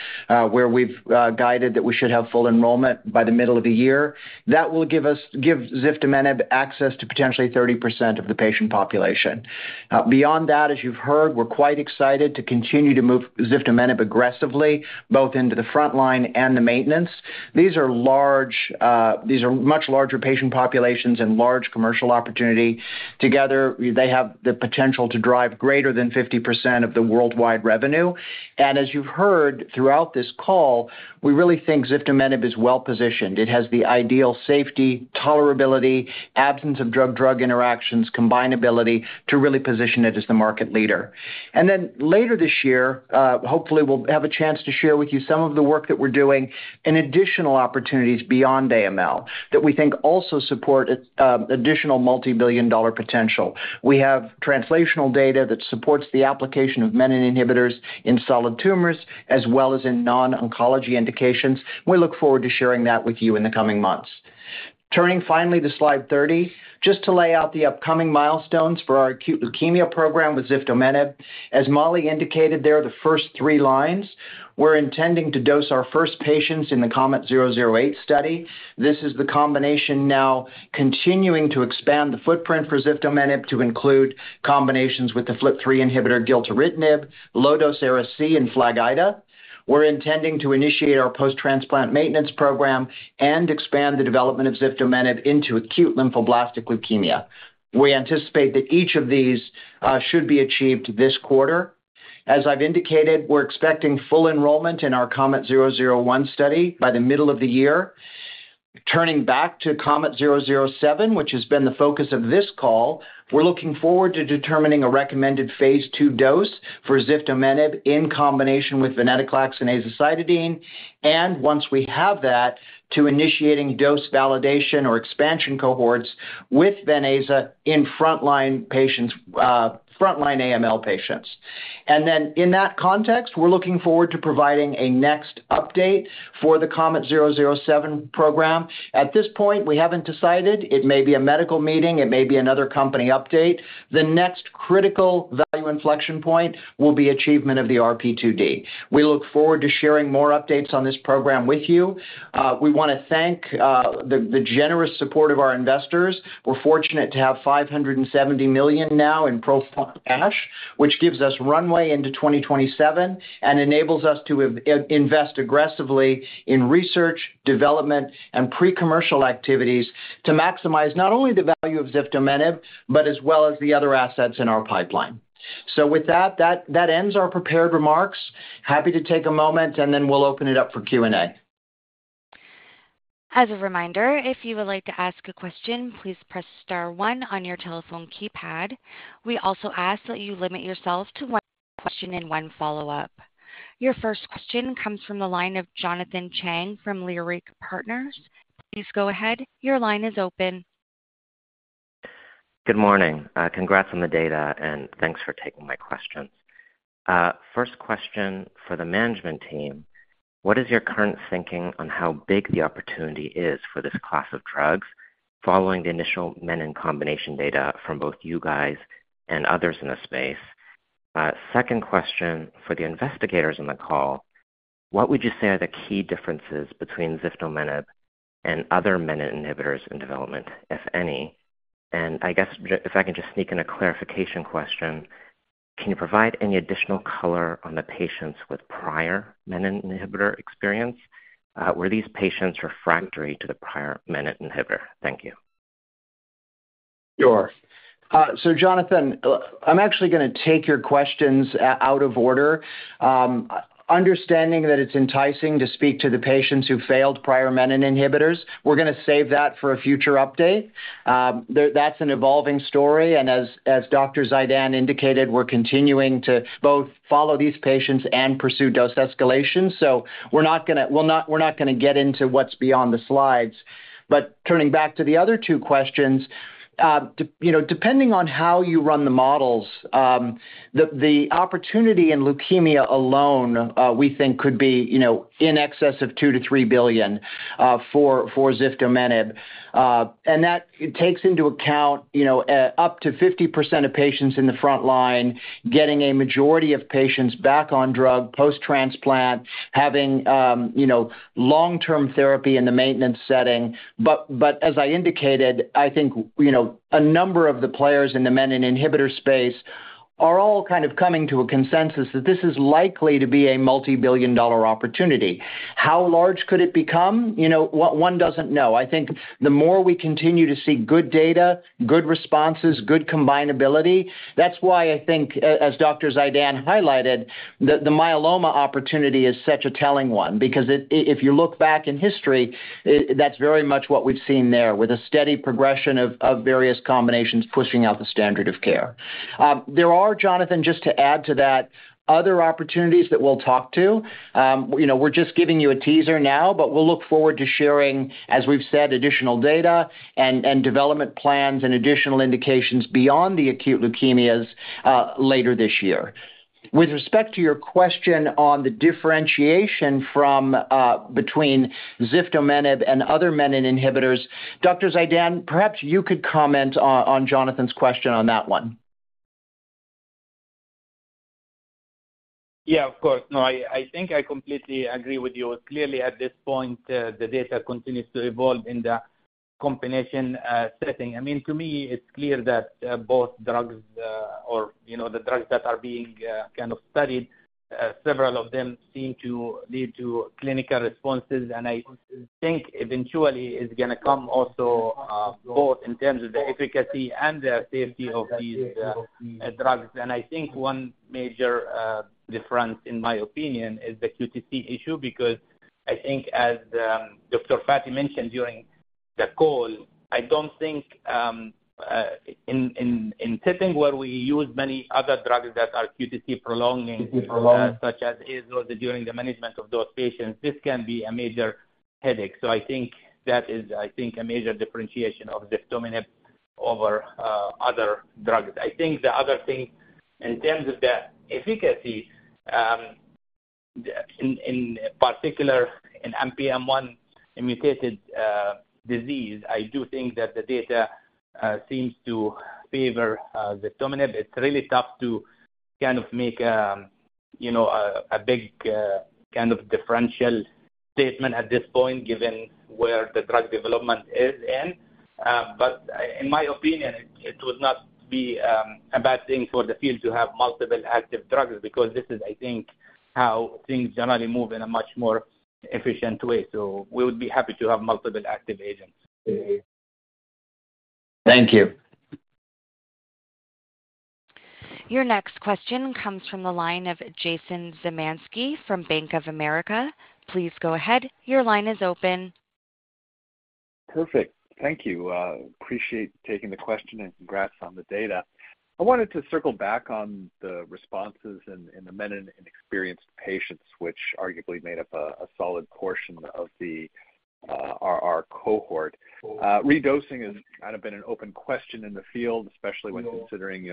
where we've guided that we should have full enrollment by the middle of the year. That will give us, give ziftomenib access to potentially 30% of the patient population. Beyond that, as you've heard, we're quite excited to continue to move ziftomenib aggressively, both into the frontline and the maintenance. These are large, these are much larger patient populations and large commercial opportunity. Together, they have the potential to drive greater than 50% of the worldwide revenue. And as you've heard throughout this call, we really think ziftomenib is well-positioned. It has the ideal safety, tolerability, absence of drug-drug interactions, combinability to really position it as the market leader. And then later this year, hopefully we'll have a chance to share with you some of the work that we're doing in additional opportunities beyond AML, that we think also support additional multibillion-dollar potential. We have translational data that supports the application of menin inhibitors in solid tumors, as well as in non-oncology indications. We look forward to sharing that with you in the coming months. Turning finally to slide 30, just to lay out the upcoming milestones for our acute leukemia program with ziftomenib. As Mollie indicated there, the first three lines, we're intending to dose our first patients in the KOMET-008 study. This is the combination now continuing to expand the footprint for ziftomenib to include combinations with the FLT3 inhibitor, gilteritinib, low-dose Ara-C, and FLAG-IDA. We're intending to initiate our post-transplant maintenance program and expand the development of ziftomenib into acute lymphoblastic leukemia. We anticipate that each of these should be achieved this quarter. As I've indicated, we're expecting full enrollment in our KOMET-001 study by the middle of the year. Turning back to KOMET-007, which has been the focus of this call, we're looking forward to determining a recommended phase II dose for ziftomenib in combination with venetoclax and azacitidine, and once we have that, to initiating dose validation or expansion cohorts with Ven/Aza in frontline patients, frontline AML patients. And then in that context, we're looking forward to providing a next update for the KOMET-007 program. At this point, we haven't decided. It may be a medical meeting, it may be another company update. The next critical value inflection point will be achievement of the RP2D. We look forward to sharing more updates on this program with you. We want to thank the generous support of our investors. We're fortunate to have $570 million now in pro cash, which gives us runway into 2027 and enables us to invest aggressively in research, development, and pre-commercial activities to maximize not only the value of ziftomenib, but as well as the other assets in our pipeline. So with that, that ends our prepared remarks. Happy to take a moment, and then we'll open it up for Q&A. As a reminder, if you would like to ask a question, please press star one on your telephone keypad. We also ask that you limit yourself to one question and one follow-up. Your first question comes from the line of Jonathan Chang from Leerink Partners. Please go ahead. Your line is open. Good morning. Congrats on the data, and thanks for taking my questions. First question for the management team: What is your current thinking on how big the opportunity is for this class of drugs following the initial menin combination data from both you guys and others in the space? Second question for the investigators on the call: What would you say are the key differences between ziftomenib and other menin inhibitors in development, if any? And I guess if I can just sneak in a clarification question. Can you provide any additional color on the patients with prior menin inhibitor experience? Were these patients refractory to the prior menin inhibitor? Thank you. Sure. So Jonathan, I'm actually gonna take your questions out of order. Understanding that it's enticing to speak to the patients who failed prior menin inhibitors, we're gonna save that for a future update. There, that's an evolving story, and as Dr. Zeidan indicated, we're continuing to both follow these patients and pursue dose escalation. So we're not gonna get into what's beyond the slides. But turning back to the other two questions, you know, depending on how you run the models, the opportunity in leukemia alone, we think could be, you know, in excess of $2 billion-$3 billion for ziftomenib. And that takes into account, you know, up to 50% of patients in the front line, getting a majority of patients back on drug post-transplant, having, you know, long-term therapy in the maintenance setting. But as I indicated, I think, you know, a number of the players in the menin inhibitor space are all kind of coming to a consensus that this is likely to be a multibillion-dollar opportunity. How large could it become? You know, one, one doesn't know. I think the more we continue to see good data, good responses, good combinability, that's why I think, as Dr. Zeidan highlighted, the, the myeloma opportunity is such a telling one. Because it, if you look back in history, that's very much what we've seen there, with a steady progression of, of various combinations pushing out the standard of care. There are, Jonathan, just to add to that, other opportunities that we'll talk to. You know, we're just giving you a teaser now, but we'll look forward to sharing, as we've said, additional data and development plans and additional indications beyond the acute leukemias later this year. With respect to your question on the differentiation from between ziftomenib and other menin inhibitors, Dr. Zeidan, perhaps you could comment on Jonathan's question on that one. Yeah, of course. No, I think I completely agree with you. Clearly, at this point, the data continues to evolve in the combination setting. I mean, to me, it's clear that both drugs, or, you know, the drugs that are being kind of studied, several of them seem to lead to clinical responses, and I think eventually it's gonna come also, both in terms of the efficacy and the safety of these drugs. And I think one major difference, in my opinion, is the QTc issue, because I think, as Dr. Fathi mentioned during the call, I don't think in setting where we use many other drugs that are QTc prolonging. Such as IDH during the management of those patients, this can be a major headache. So I think that is, I think, a major differentiation of ziftomenib over other drugs. I think the other thing, in terms of the efficacy, in particular, in NPM1-mutated disease, I do think that the data seems to favor ziftomenib. It's really tough to kind of make, you know, a big kind of differential statement at this point, given where the drug development is in. But in my opinion, it would not be a bad thing for the field to have multiple active drugs, because this is, I think, how things generally move in a much more efficient way. So we would be happy to have multiple active agents. Thank you. Your next question comes from the line of Jason Zemansky from Bank of America. Please go ahead. Your line is open. Perfect. Thank you. Appreciate you taking the question, and congrats on the data. I wanted to circle back on the responses in the menin inhibitor-inexperienced patients, which arguably made up a solid portion of our cohort. Redosing has kind of been an open question in the field, especially when considering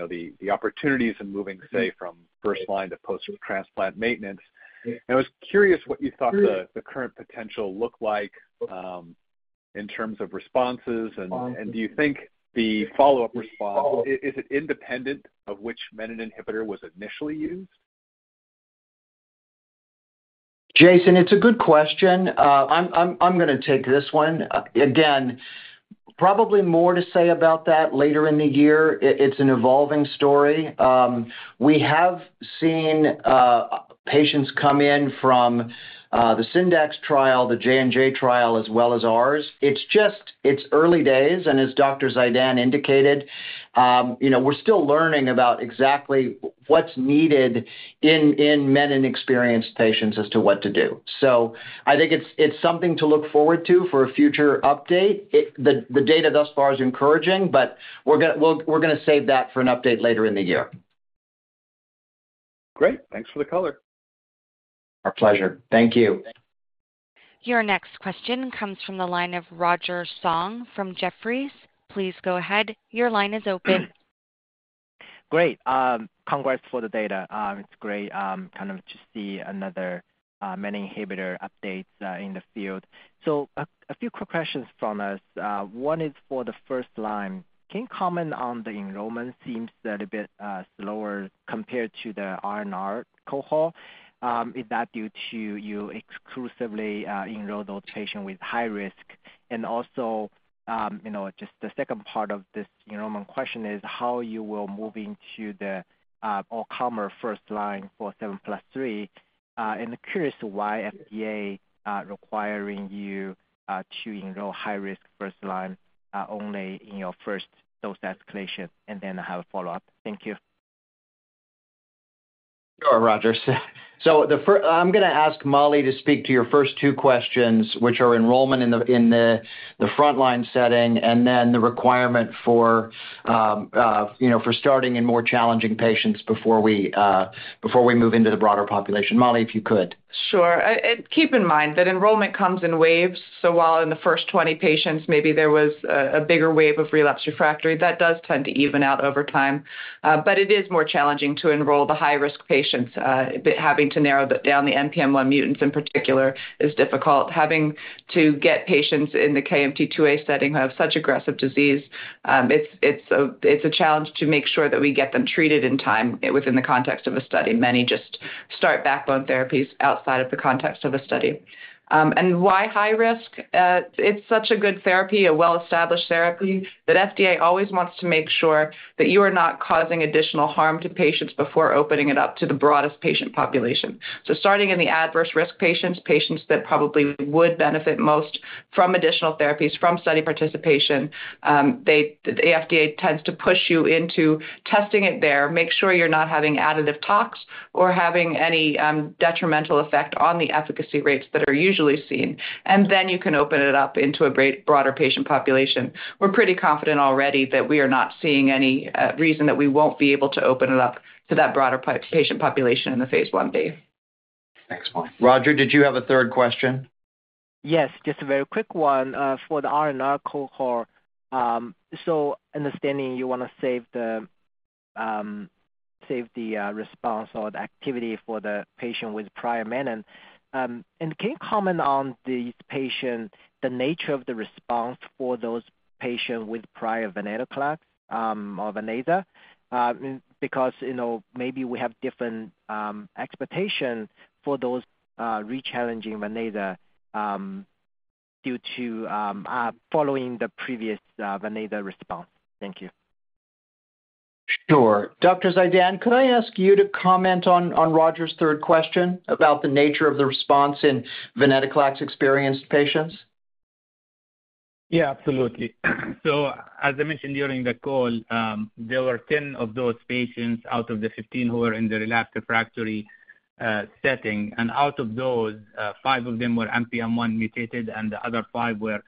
the opportunities in moving, say, from first line to post-transplant maintenance. I was curious what you thought the current potential looked like in terms of responses, and do you think the follow-up response is it independent of which menin inhibitor was initially used? Jason, it's a good question. I'm gonna take this one. Again, probably more to say about that later in the year. It's an evolving story. We have seen patients come in from the Syndax trial, the J&J trial, as well as ours. It's just early days, and as Dr. Zeidan indicated, you know, we're still learning about exactly what's needed in menin-experienced patients as to what to do. So I think it's something to look forward to for a future update. The data thus far is encouraging, but we're gonna save that for an update later in the year. Great. Thanks for the color. Our pleasure. Thank you. Your next question comes from the line of Roger Song from Jefferies. Please go ahead. Your line is open. Great. Congrats for the data. It's great, kind of to see another menin inhibitor updates in the field. So a few quick questions from us. One is for the first line. Can you comment on the enrollment? Seems a little bit slower compared to the R/R cohort. Is that due to you exclusively enroll those patients with high risk? And also, you know, just the second part of this, you know, my question is how you will move into the all-comer first line for 7+3. And curious to why FDA are requiring you to enroll high-risk first line only in your first dose escalation, and then I have a follow-up. Thank you. Sure, Roger. So the first I'm gonna ask Mollie to speak to your first two questions, which are enrollment in the frontline setting, and then the requirement for, you know, for starting in more challenging patients before we move into the broader population. Mollie, if you could. Sure. And keep in mind that enrollment comes in waves, so while in the first 20 patients, maybe there was a bigger wave of relapsed refractory, that does tend to even out over time. But it is more challenging to enroll the high-risk patients, but having to narrow down the NPM1 mutants in particular is difficult. Having to get patients in the KMT2A setting who have such aggressive disease, it's a challenge to make sure that we get them treated in time within the context of a study. Many just start backbone therapies outside of the context of a study. And why high risk? It's such a good therapy, a well-established therapy, that FDA always wants to make sure that you are not causing additional harm to patients before opening it up to the broadest patient population. So starting in the adverse risk patients, patients that probably would benefit most from additional therapies, from study participation, the FDA tends to push you into testing it there, make sure you're not having additive tox or having any, detrimental effect on the efficacy rates that are usually seen, and then you can open it up into a broader patient population. We're pretty confident already that we are not seeing any reason that we won't be able to open it up to that broader patient population in the phase I-B. Thanks, Mollie. Roger, did you have a third question? Yes, just a very quick one for the R/R cohort. So understanding you want to save the response or the activity for the patient with prior menin. And can you comment on the patient, the nature of the response for those patients with prior venetoclax or Ven/Aza? Because, you know, maybe we have different expectations for those rechallenging Ven/Aza due to following the previous Ven/Aza response. Thank you. Sure. Dr. Zeidan, could I ask you to comment on, on Roger's third question about the nature of the response in venetoclax-experienced patients? Yeah, absolutely. So as I mentioned during the call, there were 10 of those patients out of the 15 who were in the relapsed/refractory setting, and out of those, five of them were NPM1-mutated, and the other five were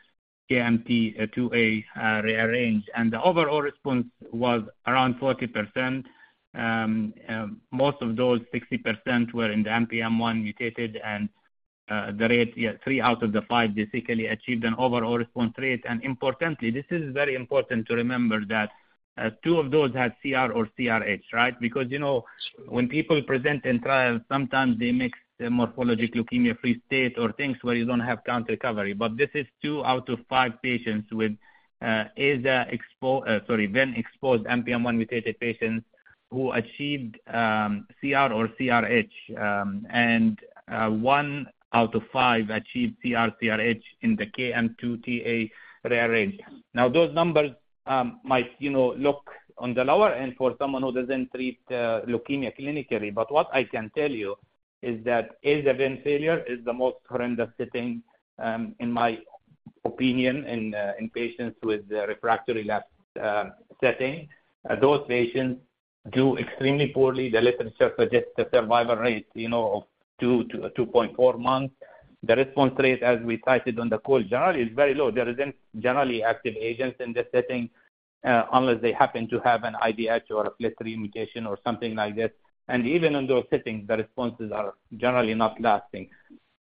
KMT2A-rearranged. And the overall response was around 40%. Most of those 60% were in the NPM1-mutated, and the rate, yeah, three out of the five basically achieved an overall response rate. And importantly, this is very important to remember that two of those had CR or CRh, right? Because, you know, when people present in trials, sometimes they mix the morphologic leukemia-free state or things where you don't have count recovery. But this is two out of five patients with Ven/Aza-exposed NPM1-mutated patients who achieved CR or CRh. One out of five achieved CR/CRh in the KMT2A rearrangement. Now, those numbers might, you know, look on the lower end for someone who doesn't treat leukemia clinically, but what I can tell you is that azacitidine/venetoclax failure is the most horrendous setting, in my opinion, in patients with a refractory relapse setting. Those patients do extremely poorly. The literature suggests a survival rate, you know, of 2-2.4 months. The response rate, as we cited on the call, generally is very low. There isn't generally active agents in that setting, unless they happen to have an IDH or a FLT3 mutation or something like this. And even in those settings, the responses are generally not lasting.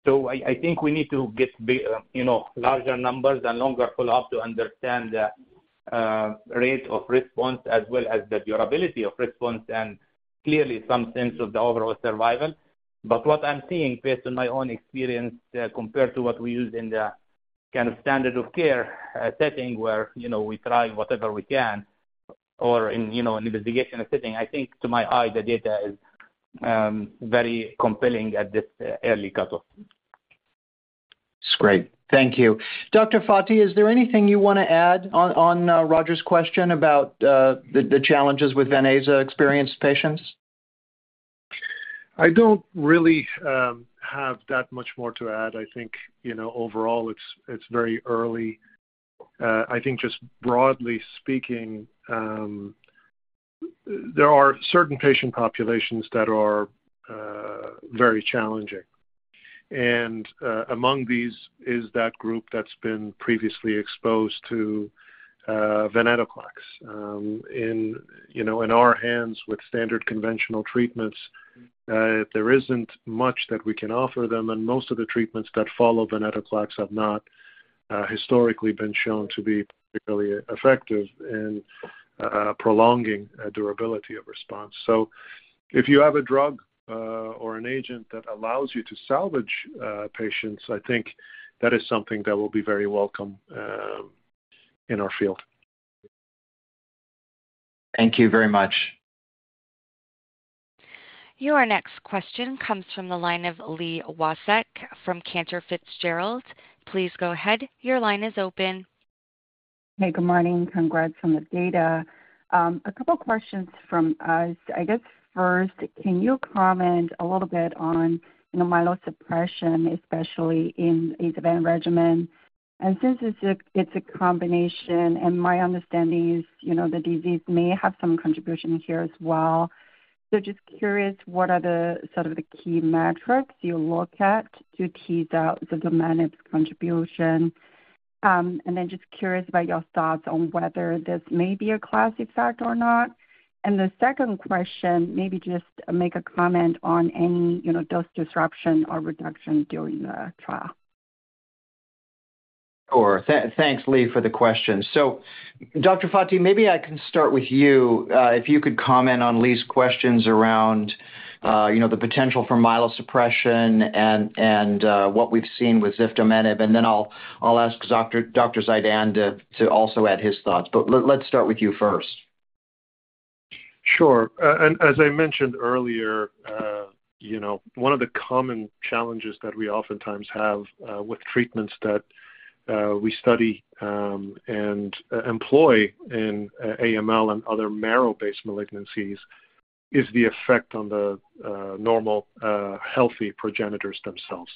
So I think we need to get big, you know, larger numbers and longer follow-up to understand the rate of response as well as the durability of response and clearly some sense of the overall survival. But what I'm seeing, based on my own experience, compared to what we use in the kind of standard of care setting where, you know, we try whatever we can or in, you know, an investigation setting, I think to my eye, the data is very compelling at this early cutoff. That's great. Thank you. Dr. Fathi, is there anything you want to add on Roger's question about the challenges with Ven/Aza experienced patients? I don't really have that much more to add. I think, you know, overall, it's very early. I think just broadly speaking, there are certain patient populations that are very challenging. And among these is that group that's been previously exposed to venetoclax. In, you know, in our hands, with standard conventional treatments, there isn't much that we can offer them, and most of the treatments that follow venetoclax have not historically been shown to be particularly effective in prolonging a durability of response. So if you have a drug or an agent that allows you to salvage patients, I think that is something that will be very welcome in our field. Thank you very much. Your next question comes from the line of Li Watsek from Cantor Fitzgerald. Please go ahead. Your line is open. Hey, good morning. Congrats on the data. A couple questions from us. I guess first, can you comment a little bit on, you know, myelosuppression, especially in Ven/Aza regimen? And since it's a, it's a combination and my understanding is, you know, the disease may have some contribution here as well. So just curious, what are the sort of the key metrics you look at to tease out the ziftomenib contribution? And then just curious about your thoughts on whether this may be a class effect or not. And the second question, maybe just make a comment on any, you know, dose disruption or reduction during the trial. Sure. Thanks, Li, for the question. So, Dr. Fathi, maybe I can start with you. If you could comment on Li's questions around, you know, the potential for myelosuppression and, and, what we've seen with ziftomenib, and then I'll ask Dr. Zeidan to also add his thoughts. But let's start with you first. Sure. And as I mentioned earlier, you know, one of the common challenges that we oftentimes have with treatments that we study and employ in AML and other marrow-based malignancies is the effect on the normal healthy progenitors themselves.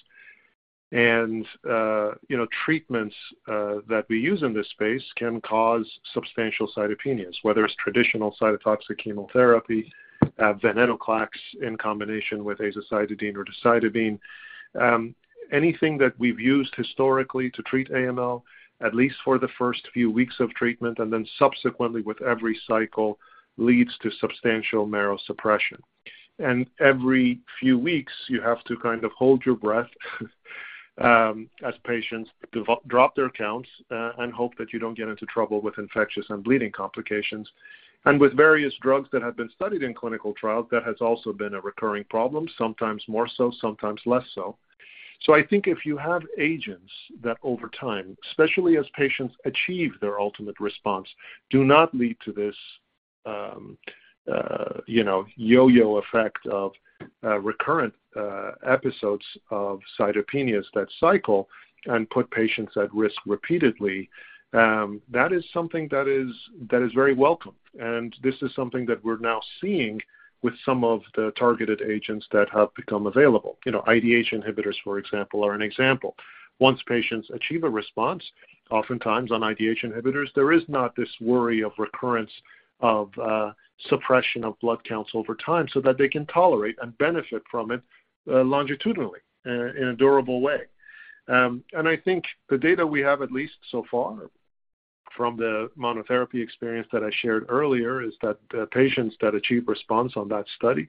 And you know, treatments that we use in this space can cause substantial cytopenias, whether it's traditional cytotoxic chemotherapy, venetoclax in combination with azacitidine or decitabine. Anything that we've used historically to treat AML, at least for the first few weeks of treatment, and then subsequently with every cycle, leads to substantial marrow suppression. And every few weeks, you have to kind of hold your breath as patients drop their counts and hope that you don't get into trouble with infectious and bleeding complications. With various drugs that have been studied in clinical trials, that has also been a recurring problem, sometimes more so, sometimes less so. So I think if you have agents that over time, especially as patients achieve their ultimate response, do not lead to this, yo-yo effect of recurrent episodes of cytopenias that cycle and put patients at risk repeatedly, that is something that is, that is very welcome, and this is something that we're now seeing with some of the targeted agents that have become available. You know, IDH inhibitors, for example, are an example. Once patients achieve a response, oftentimes on IDH inhibitors, there is not this worry of recurrence of suppression of blood counts over time so that they can tolerate and benefit from it, longitudinally in a durable way. I think the data we have, at least so far from the monotherapy experience that I shared earlier, is that the patients that achieved response on that study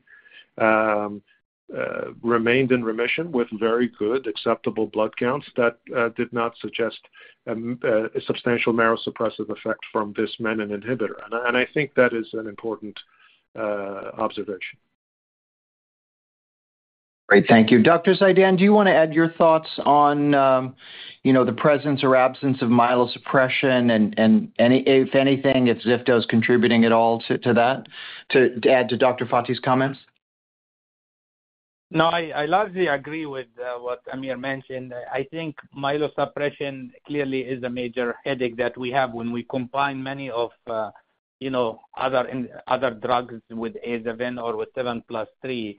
remained in remission with very good, acceptable blood counts that did not suggest a substantial marrow suppressive effect from this menin inhibitor. I think that is an important observation. Great. Thank you. Dr. Zeidan, do you want to add your thoughts on, you know, the presence or absence of myelosuppression and any if anything if ziftomenib is contributing at all to that, to add to Dr. Fathi's comments? No, I largely agree with what Amir mentioned. I think myelosuppression clearly is a major headache that we have when we combine many of, you know, other drugs with Ven/Aza or with 7+3.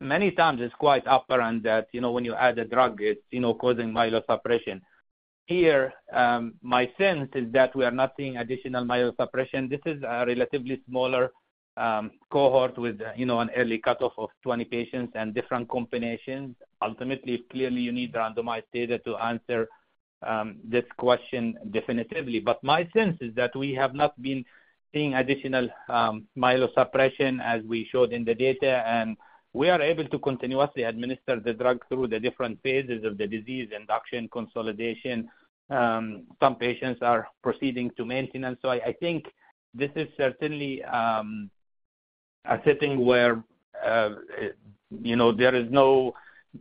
Many times it's quite apparent that, you know, when you add a drug, it's, you know, causing myelosuppression. Here, my sense is that we are not seeing additional myelosuppression. This is a relatively smaller cohort with, you know, an early cutoff of 20 patients and different combinations. Ultimately, clearly, you need randomized data to answer this question definitively. But my sense is that we have not been seeing additional myelosuppression as we showed in the data, and we are able to continuously administer the drug through the different phases of the disease, induction, consolidation. Some patients are proceeding to maintenance. So I think this is certainly a setting where, you know, there is no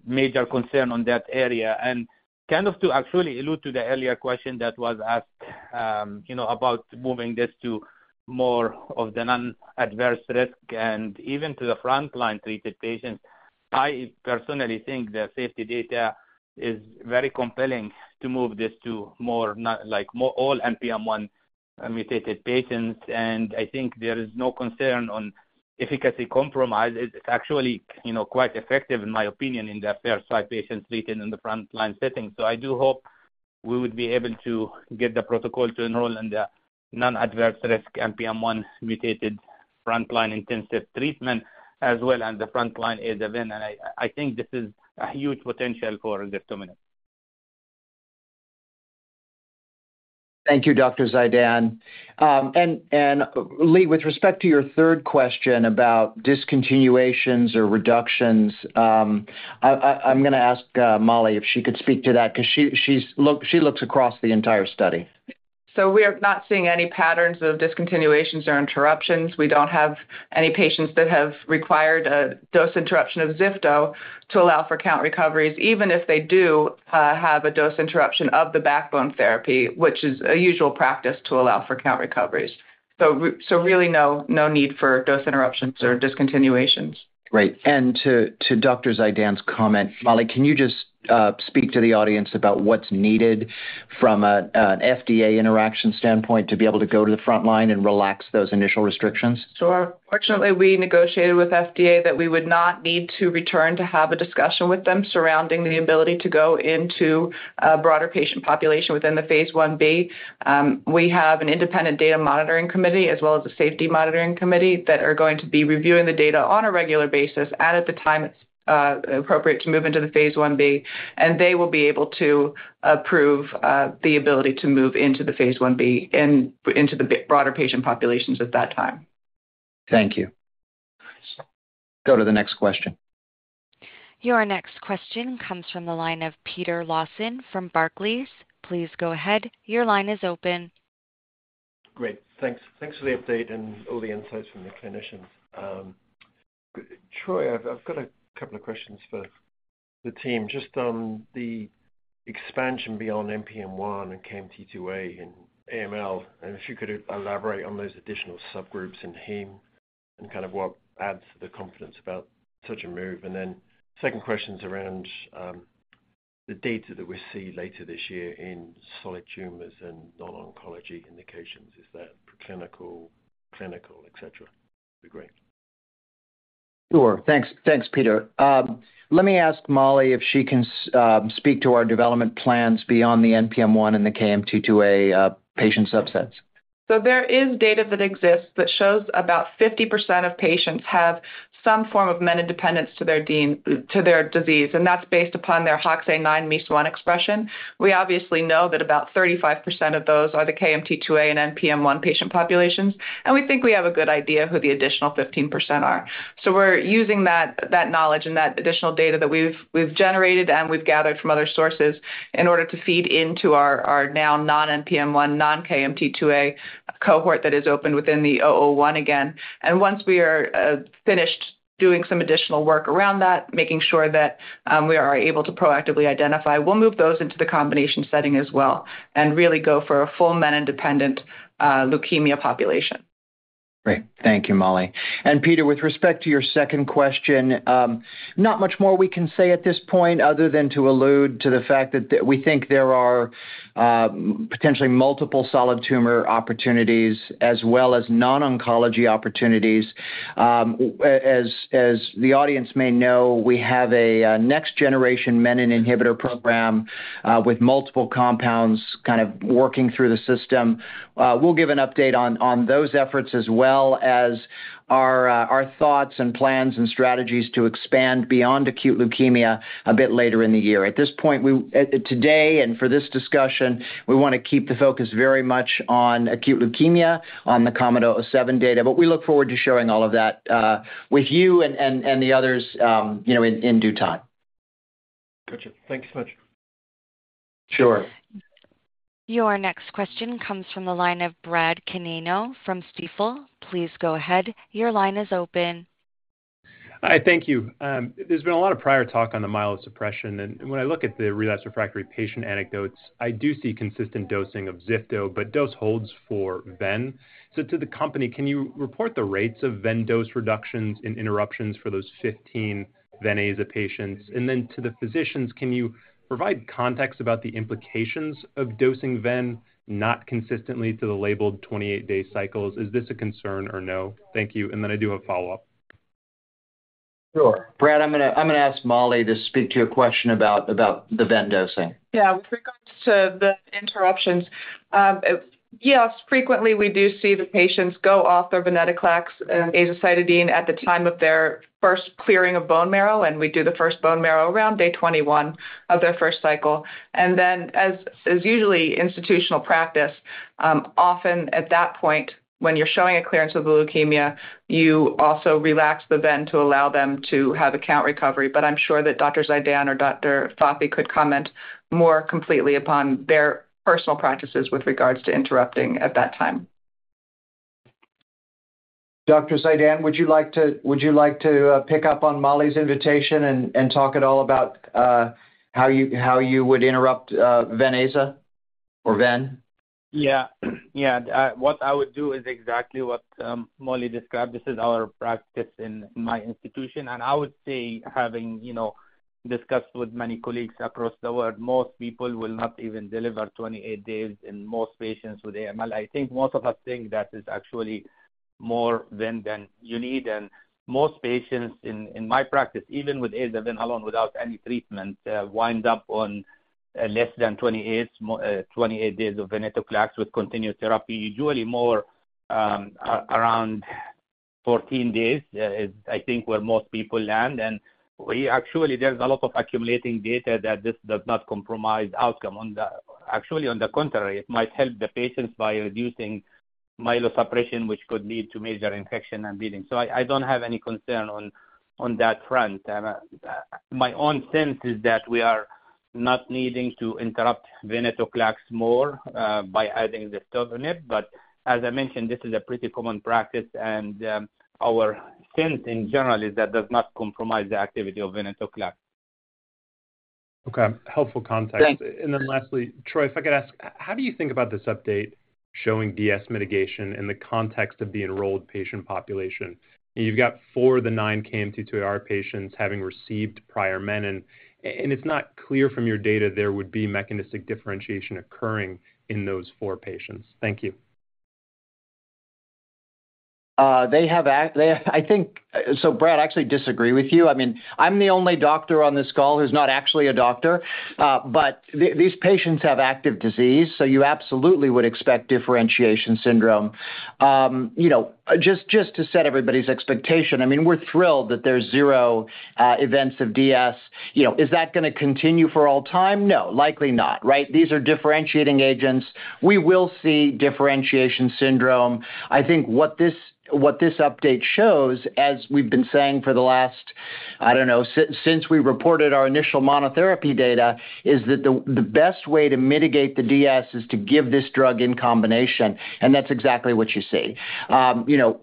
major concern on that area. And kind of to actually allude to the earlier question that was asked, you know, about moving this to more of the non-adverse risk and even to the frontline treated patients, I personally think the safety data is very compelling to move this to more, not like more all NPM1-mutated patients. And I think there is no concern on efficacy compromise. It's actually, you know, quite effective, in my opinion, in the favorable-risk patients treated in the frontline setting. So I do hope we would be able to get the protocol to enroll in the non-adverse-risk NPM1-mutated frontline intensive treatment as well as the frontline Ven/Aza. And I think this is a huge potential for ziftomenib. Thank you, Dr. Zeidan. And Li, with respect to your third question about discontinuations or reductions, I'm going to ask, Mollie if she could speak to that because she looks across the entire study. So we are not seeing any patterns of discontinuations or interruptions. We don't have any patients that have required a dose interruption of ziftomenib to allow for count recoveries, even if they do have a dose interruption of the backbone therapy, which is a usual practice to allow for count recoveries. So really, no need for dose interruptions or discontinuations. Great. And to Dr. Zeidan's comment, Mollie, can you just speak to the audience about what's needed from an FDA interaction standpoint to be able to go to the front line and relax those initial restrictions? Sure. Fortunately, we negotiated with FDA that we would not need to return to have a discussion with them surrounding the ability to go into a broader patient population within the phase I-B. We have an independent data monitoring committee, as well as a safety monitoring committee, that are going to be reviewing the data on a regular basis and at the time it's appropriate to move into the phase I-B, and they will be able to approve the ability to move into the phase I-B and into a bit broader patient populations at that time. Thank you. Go to the next question. Your next question comes from the line of Peter Lawson from Barclays. Please go ahead. Your line is open. Great, thanks. Thanks for the update and all the insights from the clinicians. Troy, I've got a couple of questions for the team, just on the expansion beyond NPM1 and KMT2A in AML, and if you could elaborate on those additional subgroups in heme and kind of what adds to the confidence about such a move. And then second question is around the data that we see later this year in solid tumors and non-oncology indications. Is that preclinical, clinical, et cetera, degree? Sure. Thanks. Thanks, Peter. Let me ask Mollie if she can speak to our development plans beyond the NPM1 and the KMT2A patient subsets. So there is data that exists that shows about 50% of patients have some form of menin dependence to their disease, and that's based upon their HOXA9/MEIS1 expression. We obviously know that about 35% of those are the KMT2A and NPM1 patient populations, and we think we have a good idea who the additional 15% are. So we're using that knowledge and that additional data that we've generated and we've gathered from other sources in order to feed into our now non-NPM1, non-KMT2A cohort that is opened within the 001 again. And once we are finished doing some additional work around that, making sure that we are able to proactively identify, we'll move those into the combination setting as well and really go for a full menin-dependent leukemia population. Great. Thank you, Mollie. And Peter, with respect to your second question, not much more we can say at this point other than to allude to the fact that we think there are potentially multiple solid tumor opportunities as well as non-oncology opportunities. As the audience may know, we have a next generation menin inhibitor program with multiple compounds kind of working through the system. We'll give an update on those efforts, as well as our thoughts and plans and strategies to expand beyond acute leukemia a bit later in the year. At this point, today and for this discussion, we want to keep the focus very much on acute leukemia, on the KOMET-007 data, but we look forward to sharing all of that with you and the others, you know, in due time. Gotcha. Thank you so much. Sure. Your next question comes from the line of Brad Canino from Stifel. Please go ahead. Your line is open. Hi, thank you. There's been a lot of prior talk on the myelosuppression, and when I look at the relapsed/refractory patient anecdotes, I do see consistent dosing of ziftomenib, but dose holds for ven. So to the company, can you report the rates of ven dose reductions in interruptions for those 15 Ven/Aza patients? And then to the physicians, can you provide context about the implications of dosing ven not consistently to the labeled 28-day cycles? Is this a concern or no? Thank you. And then I do have a follow-up. Sure. Brad, I'm gonna ask Mollie to speak to your question about the ven dosing. Yeah. With regards to the interruptions, yes, frequently we do see the patients go off their venetoclax and azacitidine at the time of their first clearing of bone marrow, and we do the first bone marrow around day 21 of their first cycle. Then, as usually institutional practice, often at that point, when you're showing a clearance of the leukemia, you also relax the ven to allow them to have a count recovery. But I'm sure that Dr. Zeidan or Dr. Fathi could comment more completely upon their personal practices with regards to interrupting at that time. Dr. Zeidan, would you like to pick up on Mollie's invitation and talk at all about how you would interrupt Ven/Aza or Ven? Yeah. Yeah, what I would do is exactly what Mollie described. This is our practice in my institution, and I would say having, you know, discussed with many colleagues across the world, most people will not even deliver 28 days in most patients with AML. I think most of us think that is actually more ven than you need, and most patients in my practice, even with Ven/Aza alone, without any treatment, wind up on less than 28 days of venetoclax with continuous therapy. Usually more around 14 days is, I think, where most people land. And we actually, there's a lot of accumulating data that this does not compromise outcome. Actually, on the contrary, it might help the patients by reducing myelosuppression, which could lead to major infection and bleeding. So I don't have any concern on that front. My own sense is that we are not needing to interrupt venetoclax more by adding the ziftomenib, but as I mentioned, this is a pretty common practice, and our sense in general is that does not compromise the activity of venetoclax. Okay. Helpful context. Thanks. And then lastly, Troy, if I could ask, how do you think about this update showing DS mitigation in the context of the enrolled patient population? You've got four of the nine KMT2A patients having received prior menin, and it's not clear from your data there would be mechanistic differentiation occurring in those four patients. Thank you. So, Brad, I actually disagree with you. I mean, I'm the only doctor on this call who's not actually a doctor, but these patients have active disease, so you absolutely would expect differentiation syndrome. You know, just, just to set everybody's expectation, I mean, we're thrilled that there's zero events of DS. You know, is that going to continue for all time? No, likely not, right? These are differentiating agents. We will see differentiation syndrome. I think what this, what this update shows, as we've been saying for the last, I don't know, since we reported our initial monotherapy data, is that the best way to mitigate the DS is to give this drug in combination, and that's exactly what you see. You know,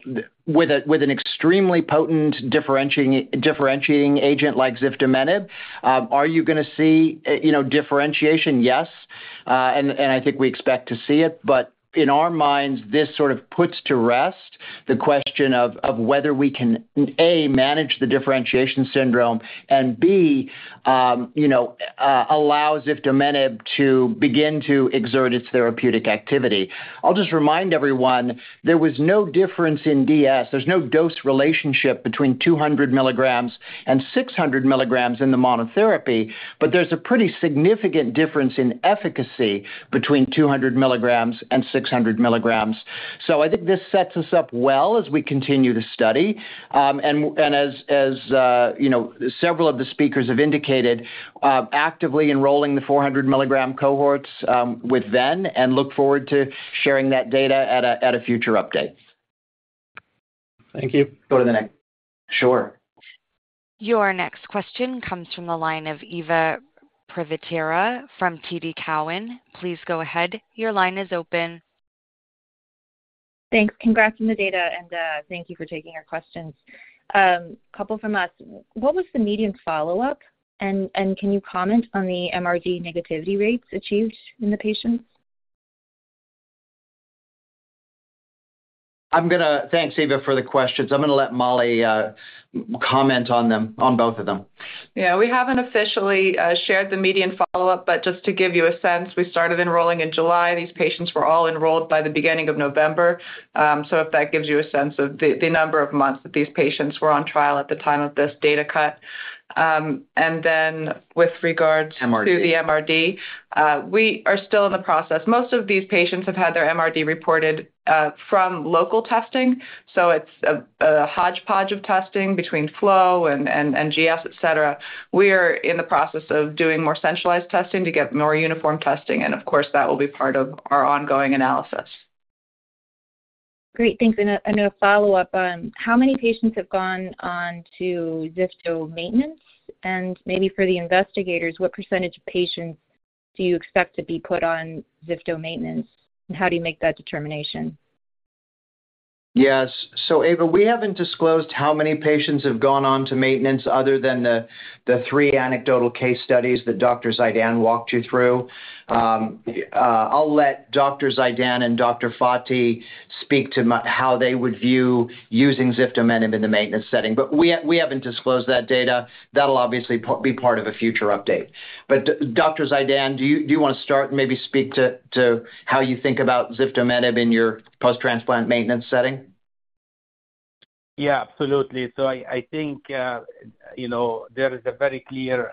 with an extremely potent differentiating agent like ziftomenib, are you going to see, you know, differentiation? Yes, and I think we expect to see it. But in our minds, this sort of puts to rest the question of whether we can, A, manage the differentiation syndrome, and B, you know, allow ziftomenib to begin to exert its therapeutic activity. I'll just remind everyone, there was no difference in DS. There's no dose relationship between 200 mg and 600 mg in the monotherapy, but there's a pretty significant difference in efficacy between 200 mg and 600 mg. So I think this sets us up well as we continue to study. And as you know, several of the speakers have indicated, actively enrolling the 400 mg cohorts with ven and look forward to sharing that data at a future update. Thank you. Go to the next. Sure. Your next question comes from the line of Eva Privitera from TD Cowen. Please go ahead. Your line is open. Thanks. Congrats on the data, and thank you for taking our questions. Couple from us. What was the median follow-up, and can you comment on the MRD negativity rates achieved in the patients? I'm going to thank Eva for the questions. I'm going to let Mollie comment on them, on both of them. Yeah, we haven't officially shared the median follow-up, but just to give you a sense, we started enrolling in July. These patients were all enrolled by the beginning of November. If that gives you a sense of the number of months that these patients were on trial at the time of this data cut. Then with regards- MRD. -to the MRD, we are still in the process. Most of these patients have had their MRD reported from local testing, so it's a hodgepodge of testing between flow and NGS, et cetera. We are in the process of doing more centralized testing to get more uniform testing, and of course, that will be part of our ongoing analysis. Great, thanks. And a follow-up, how many patients have gone on to ziftomenib maintenance? And maybe for the investigators, what percentage of patients do you expect to be put on ziftomenib maintenance, and how do you make that determination? Yes. So, Eva, we haven't disclosed how many patients have gone on to maintenance other than the three anecdotal case studies that Dr. Zeidan walked you through. I'll let Dr. Zeidan and Dr. Fathi speak to how they would view using ziftomenib in the maintenance setting. But we haven't disclosed that data. That'll obviously be part of a future update. But Dr. Zeidan, do you want to start and maybe speak to how you think about ziftomenib in your post-transplant maintenance setting? Yeah, absolutely. So I think, you know, there is a very clear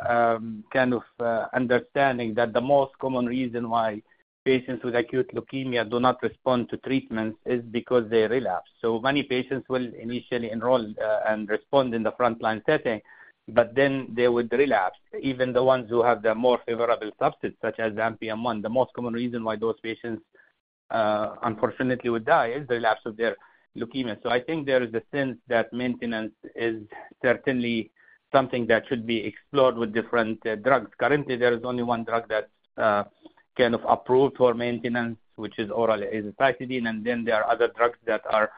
kind of understanding that the most common reason why patients with acute leukemia do not respond to treatments is because they relapse. So many patients will initially enroll and respond in the frontline setting, but then they would relapse. Even the ones who have the more favorable subsets, such as NPM1, the most common reason why those patients, unfortunately, would die is the relapse of their leukemia. So I think there is a sense that maintenance is certainly something that should be explored with different drugs. Currently, there is only one drug that kind of approved for maintenance, which is oral azacitidine, and then there are other drugs that are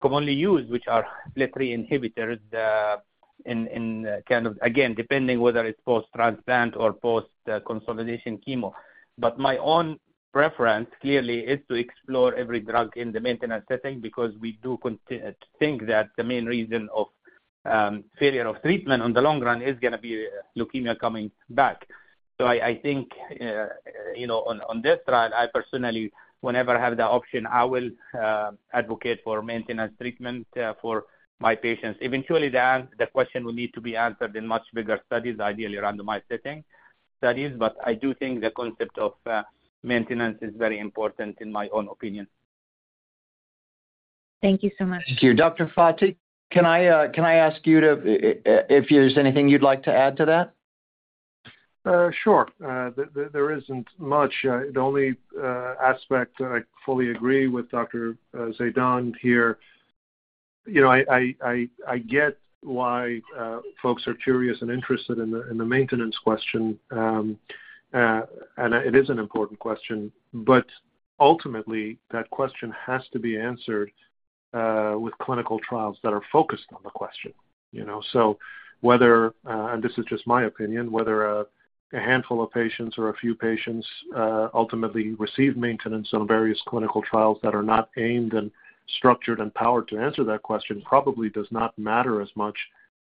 commonly used, which are FLT3 inhibitors, in kind of, again, depending on whether it's post-transplant or post-consolidation chemo. But my own preference, clearly, is to explore every drug in the maintenance setting because we do think that the main reason of failure of treatment in the long run is going to be leukemia coming back. So I think, you know, on this trial, I personally, whenever I have the option, I will advocate for maintenance treatment for my patients. Eventually, the question will need to be answered in much bigger studies, ideally randomized setting studies, but I do think the concept of maintenance is very important in my own opinion. Thank you so much. Thank you. Dr. Fathi, can I ask you to, if there's anything you'd like to add to that? Sure. There isn't much. The only aspect I fully agree with Dr. Zeidan here. You know, I get why folks are curious and interested in the maintenance question. And it is an important question, but ultimately, that question has to be answered with clinical trials that are focused on the question, you know? So whether, and this is just my opinion, whether a handful of patients or a few patients ultimately receive maintenance on various clinical trials that are not aimed and structured and powered to answer that question, probably does not matter as much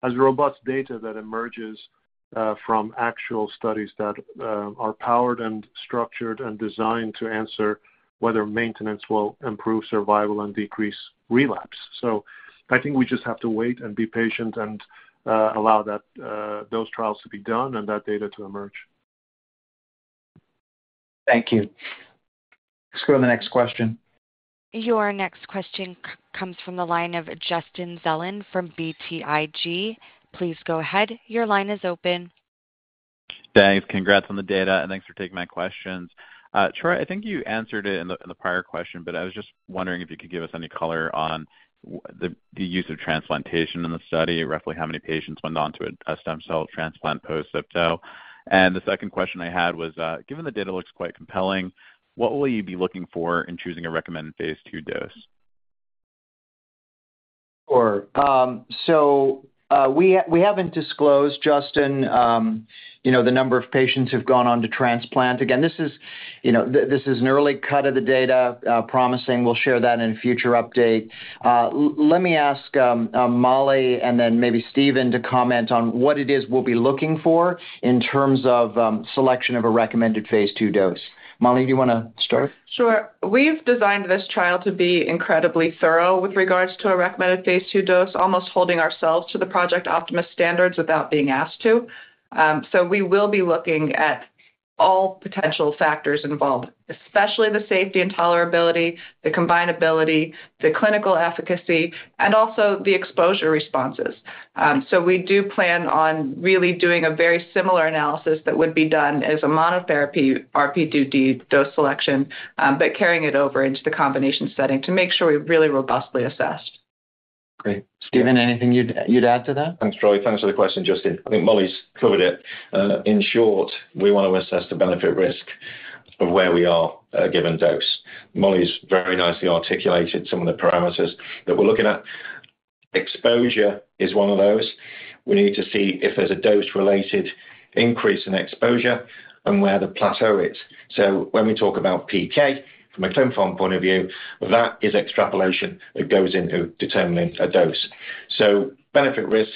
as robust data that emerges from actual studies that are powered and structured and designed to answer whether maintenance will improve survival and decrease relapse. So I think we just have to wait and be patient and allow that those trials to be done and that data to emerge. Thank you. Let's go to the next question. Your next question comes from the line of Justin Zelin from BTIG. Please go ahead. Your line is open. Thanks. Congrats on the data, and thanks for taking my questions. Troy, I think you answered it in the, in the prior question, but I was just wondering if you could give us any color on the use of transplantation in the study, roughly how many patients went on to a stem cell transplant post-ziftomenib? And the second question I had was, given the data looks quite compelling, what will you be looking for in choosing a recommended phase II dose? Sure. So, we haven't disclosed, Justin, you know, the number of patients who've gone on to transplant. Again, this is, you know, this is an early cut of the data, promising. We'll share that in a future update. Let me ask, Mollie and then maybe Stephen to comment on what it is we'll be looking for in terms of, selection of a recommended phase II dose. Mollie, do you want to start? Sure. We've designed this trial to be incredibly thorough with regards to a recommended phase II dose, almost holding ourselves to the Project Optimus standards without being asked to. So we will be looking at all potential factors involved, especially the safety and tolerability, the combinability, the clinical efficacy, and also the exposure responses. So we do plan on really doing a very similar analysis that would be done as a monotherapy RP2D dose selection, but carrying it over into the combination setting to make sure we're really robustly assessed. Great. Stephen, anything you'd add to that? Thanks, Troy. Thanks for the question, Justin. I think Mollie's covered it. In short, we want to assess the benefit risk of where we are at a given dose. Mollie's very nicely articulated some of the parameters that we're looking at. Exposure is one of those. We need to see if there's a dose-related increase in exposure and where the plateau is. So when we talk about PK from a PD point of view, that is extrapolation that goes into determining a dose. So benefit risk,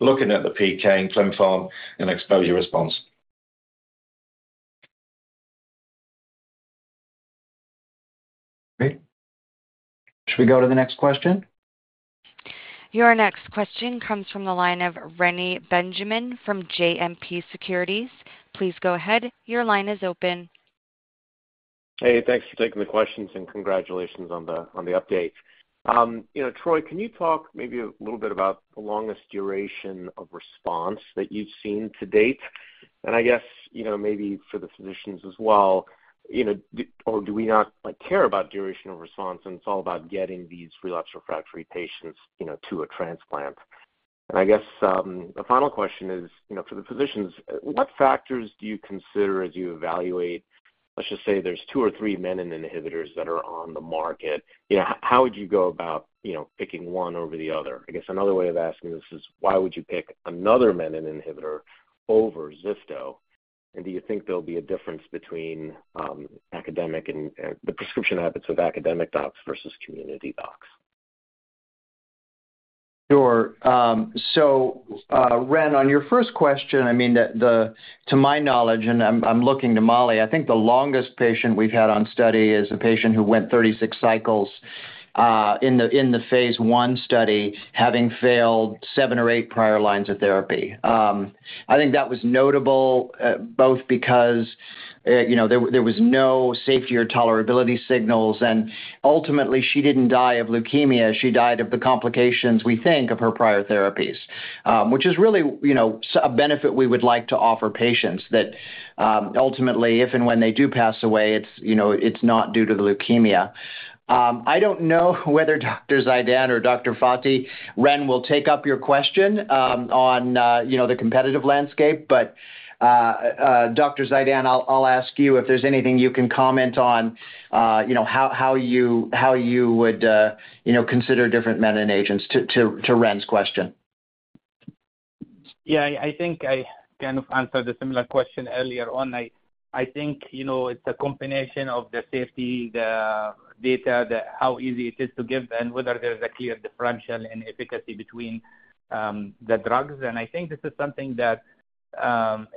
looking at the PK and PD and exposure response. Great. Should we go to the next question? Your next question comes from the line of Reni Benjamin from JMP Securities. Please go ahead. Your line is open. Hey, thanks for taking the questions, and congratulations on the update. You know, Troy, can you talk maybe a little bit about the longest duration of response that you've seen to date? And I guess, you know, maybe for the physicians as well, you know, do we not, like, care about duration of response, and it's all about getting these relapsed refractory patients, you know, to a transplant? And I guess, the final question is, you know, for the physicians, what factors do you consider as you evaluate. Let's just say there's two or three menin inhibitors that are on the market. You know, how would you go about, you know, picking one over the other? I guess another way of asking this is, why would you pick another menin inhibitor over ziftomenib? Do you think there'll be a difference between the prescription habits of academic docs versus community docs? Sure. So, Ren, on your first question, I mean, to my knowledge, and I'm looking to Mollie, I think the longest patient we've had on study is a patient who went 36 cycles in the phase I study, having failed seven or eight prior lines of therapy. I think that was notable both because, you know, there was no safety or tolerability signals, and ultimately, she didn't die of leukemia. She died of the complications, we think, of her prior therapies. Which is really, you know, such a benefit we would like to offer patients, that ultimately, if and when they do pass away, it's, you know, it's not due to the leukemia. I don't know whether Dr. Zeidan or Dr. Fathi, Ren will take up your question on, you know, the competitive landscape, but Dr. Zeidan, I'll ask you if there's anything you can comment on, you know, how you would, you know, consider different menin agents to Ren's question. Yeah, I, I think I kind of answered a similar question earlier on. I, I think, you know, it's a combination of the safety, the data, how easy it is to give and whether there's a clear differential in efficacy between, the drugs. And I think this is something that,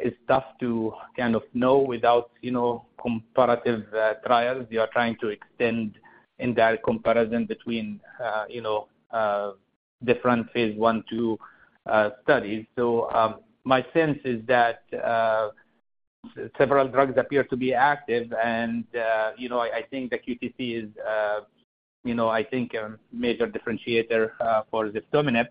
is tough to kind of know without, you know, comparative, trials. You are trying to extend indirect comparison between, you know, different phase I, II, studies. So, my sense is that, several drugs appear to be active, and, you know, I, I think the QTc is, you know, I think a major differentiator, for ziftomenib.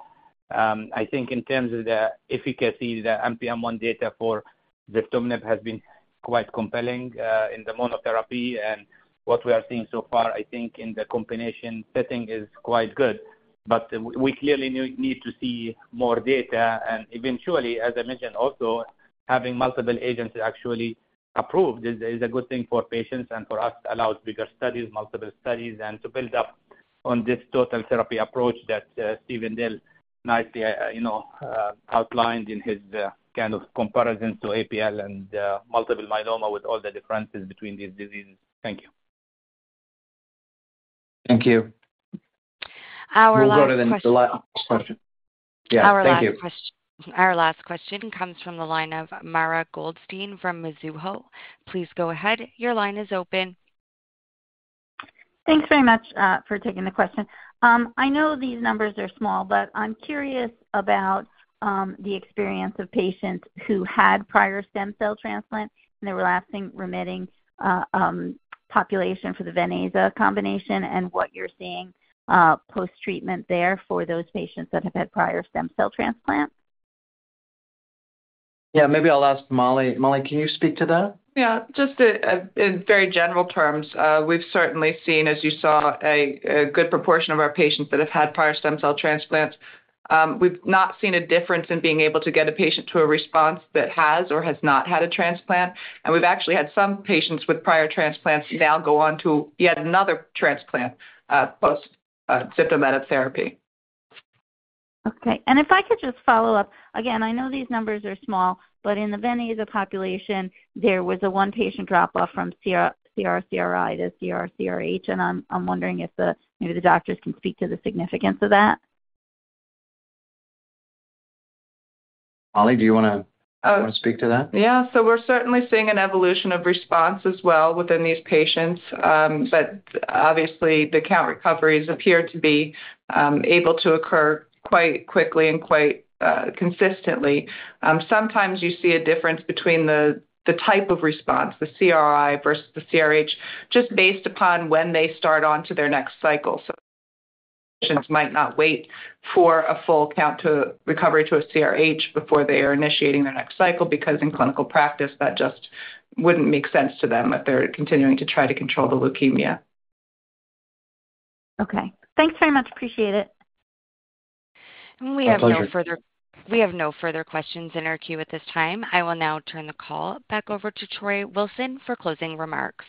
I think in terms of the efficacy, the NPM1 data for ziftomenib has been quite compelling, in the monotherapy and what we are seeing so far, I think in the combination setting is quite good. But we, we clearly need, need to see more data, and eventually, as I mentioned also, having multiple agents actually approved is, is a good thing for patients and for us, allows bigger studies, multiple studies, and to build up on this total therapy approach that, Stephen Dale nicely, you know, outlined in his, kind of comparison to APL and, multiple myeloma with all the differences between these diseases. Thank you. Thank you. Our last question- We'll go to the last question. Yeah. Thank you. Our last question comes from the line of Mara Goldstein from Mizuho. Please go ahead. Your line is open. Thanks very much for taking the question. I know these numbers are small, but I'm curious about the experience of patients who had prior stem cell transplant and they were lasting, remitting population for the Ven/Aza combination and what you're seeing post-treatment there for those patients that have had prior stem cell transplant. Yeah, maybe I'll ask Mollie. Mollie, can you speak to that? Yeah. Just, in very general terms, we've certainly seen, as you saw, a good proportion of our patients that have had prior stem cell transplants. We've not seen a difference in being able to get a patient to a response that has or has not had a transplant, and we've actually had some patients with prior transplants now go on to yet another transplant, post ziftomenib therapy. Okay. And if I could just follow up. Again, I know these numbers are small, but in the Ven/Aza population, there was a one-patient drop-off from CR/CRi to CR/CRh, and I'm wondering if the, maybe the doctors can speak to the significance of that. Mollie, do you wanna wanna speak to that? Yeah. So we're certainly seeing an evolution of response as well within these patients. But obviously, the count recoveries appear to be, able to occur quite quickly and quite, consistently. Sometimes you see a difference between the type of response, the CRi versus the CRh, just based upon when they start on to their next cycle. So patients might not wait for a full count to recovery to a CRh before they are initiating their next cycle, because in clinical practice, that just wouldn't make sense to them if they're continuing to try to control the leukemia. Okay. Thanks very much. Appreciate it. We have no further- My pleasure. We have no further questions in our queue at this time. I will now turn the call back over to Troy Wilson for closing remarks.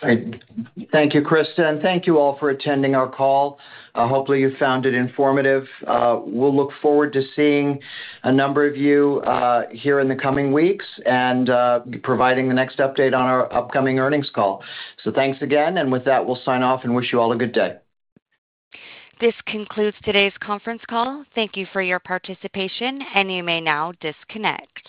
Great. Thank you, Kristen, and thank you all for attending our call. Hopefully, you found it informative. We'll look forward to seeing a number of you here in the coming weeks and providing the next update on our upcoming earnings call. Thanks again, and with that, we'll sign off and wish you all a good day. This concludes today's conference call. Thank you for your participation, and you may now disconnect.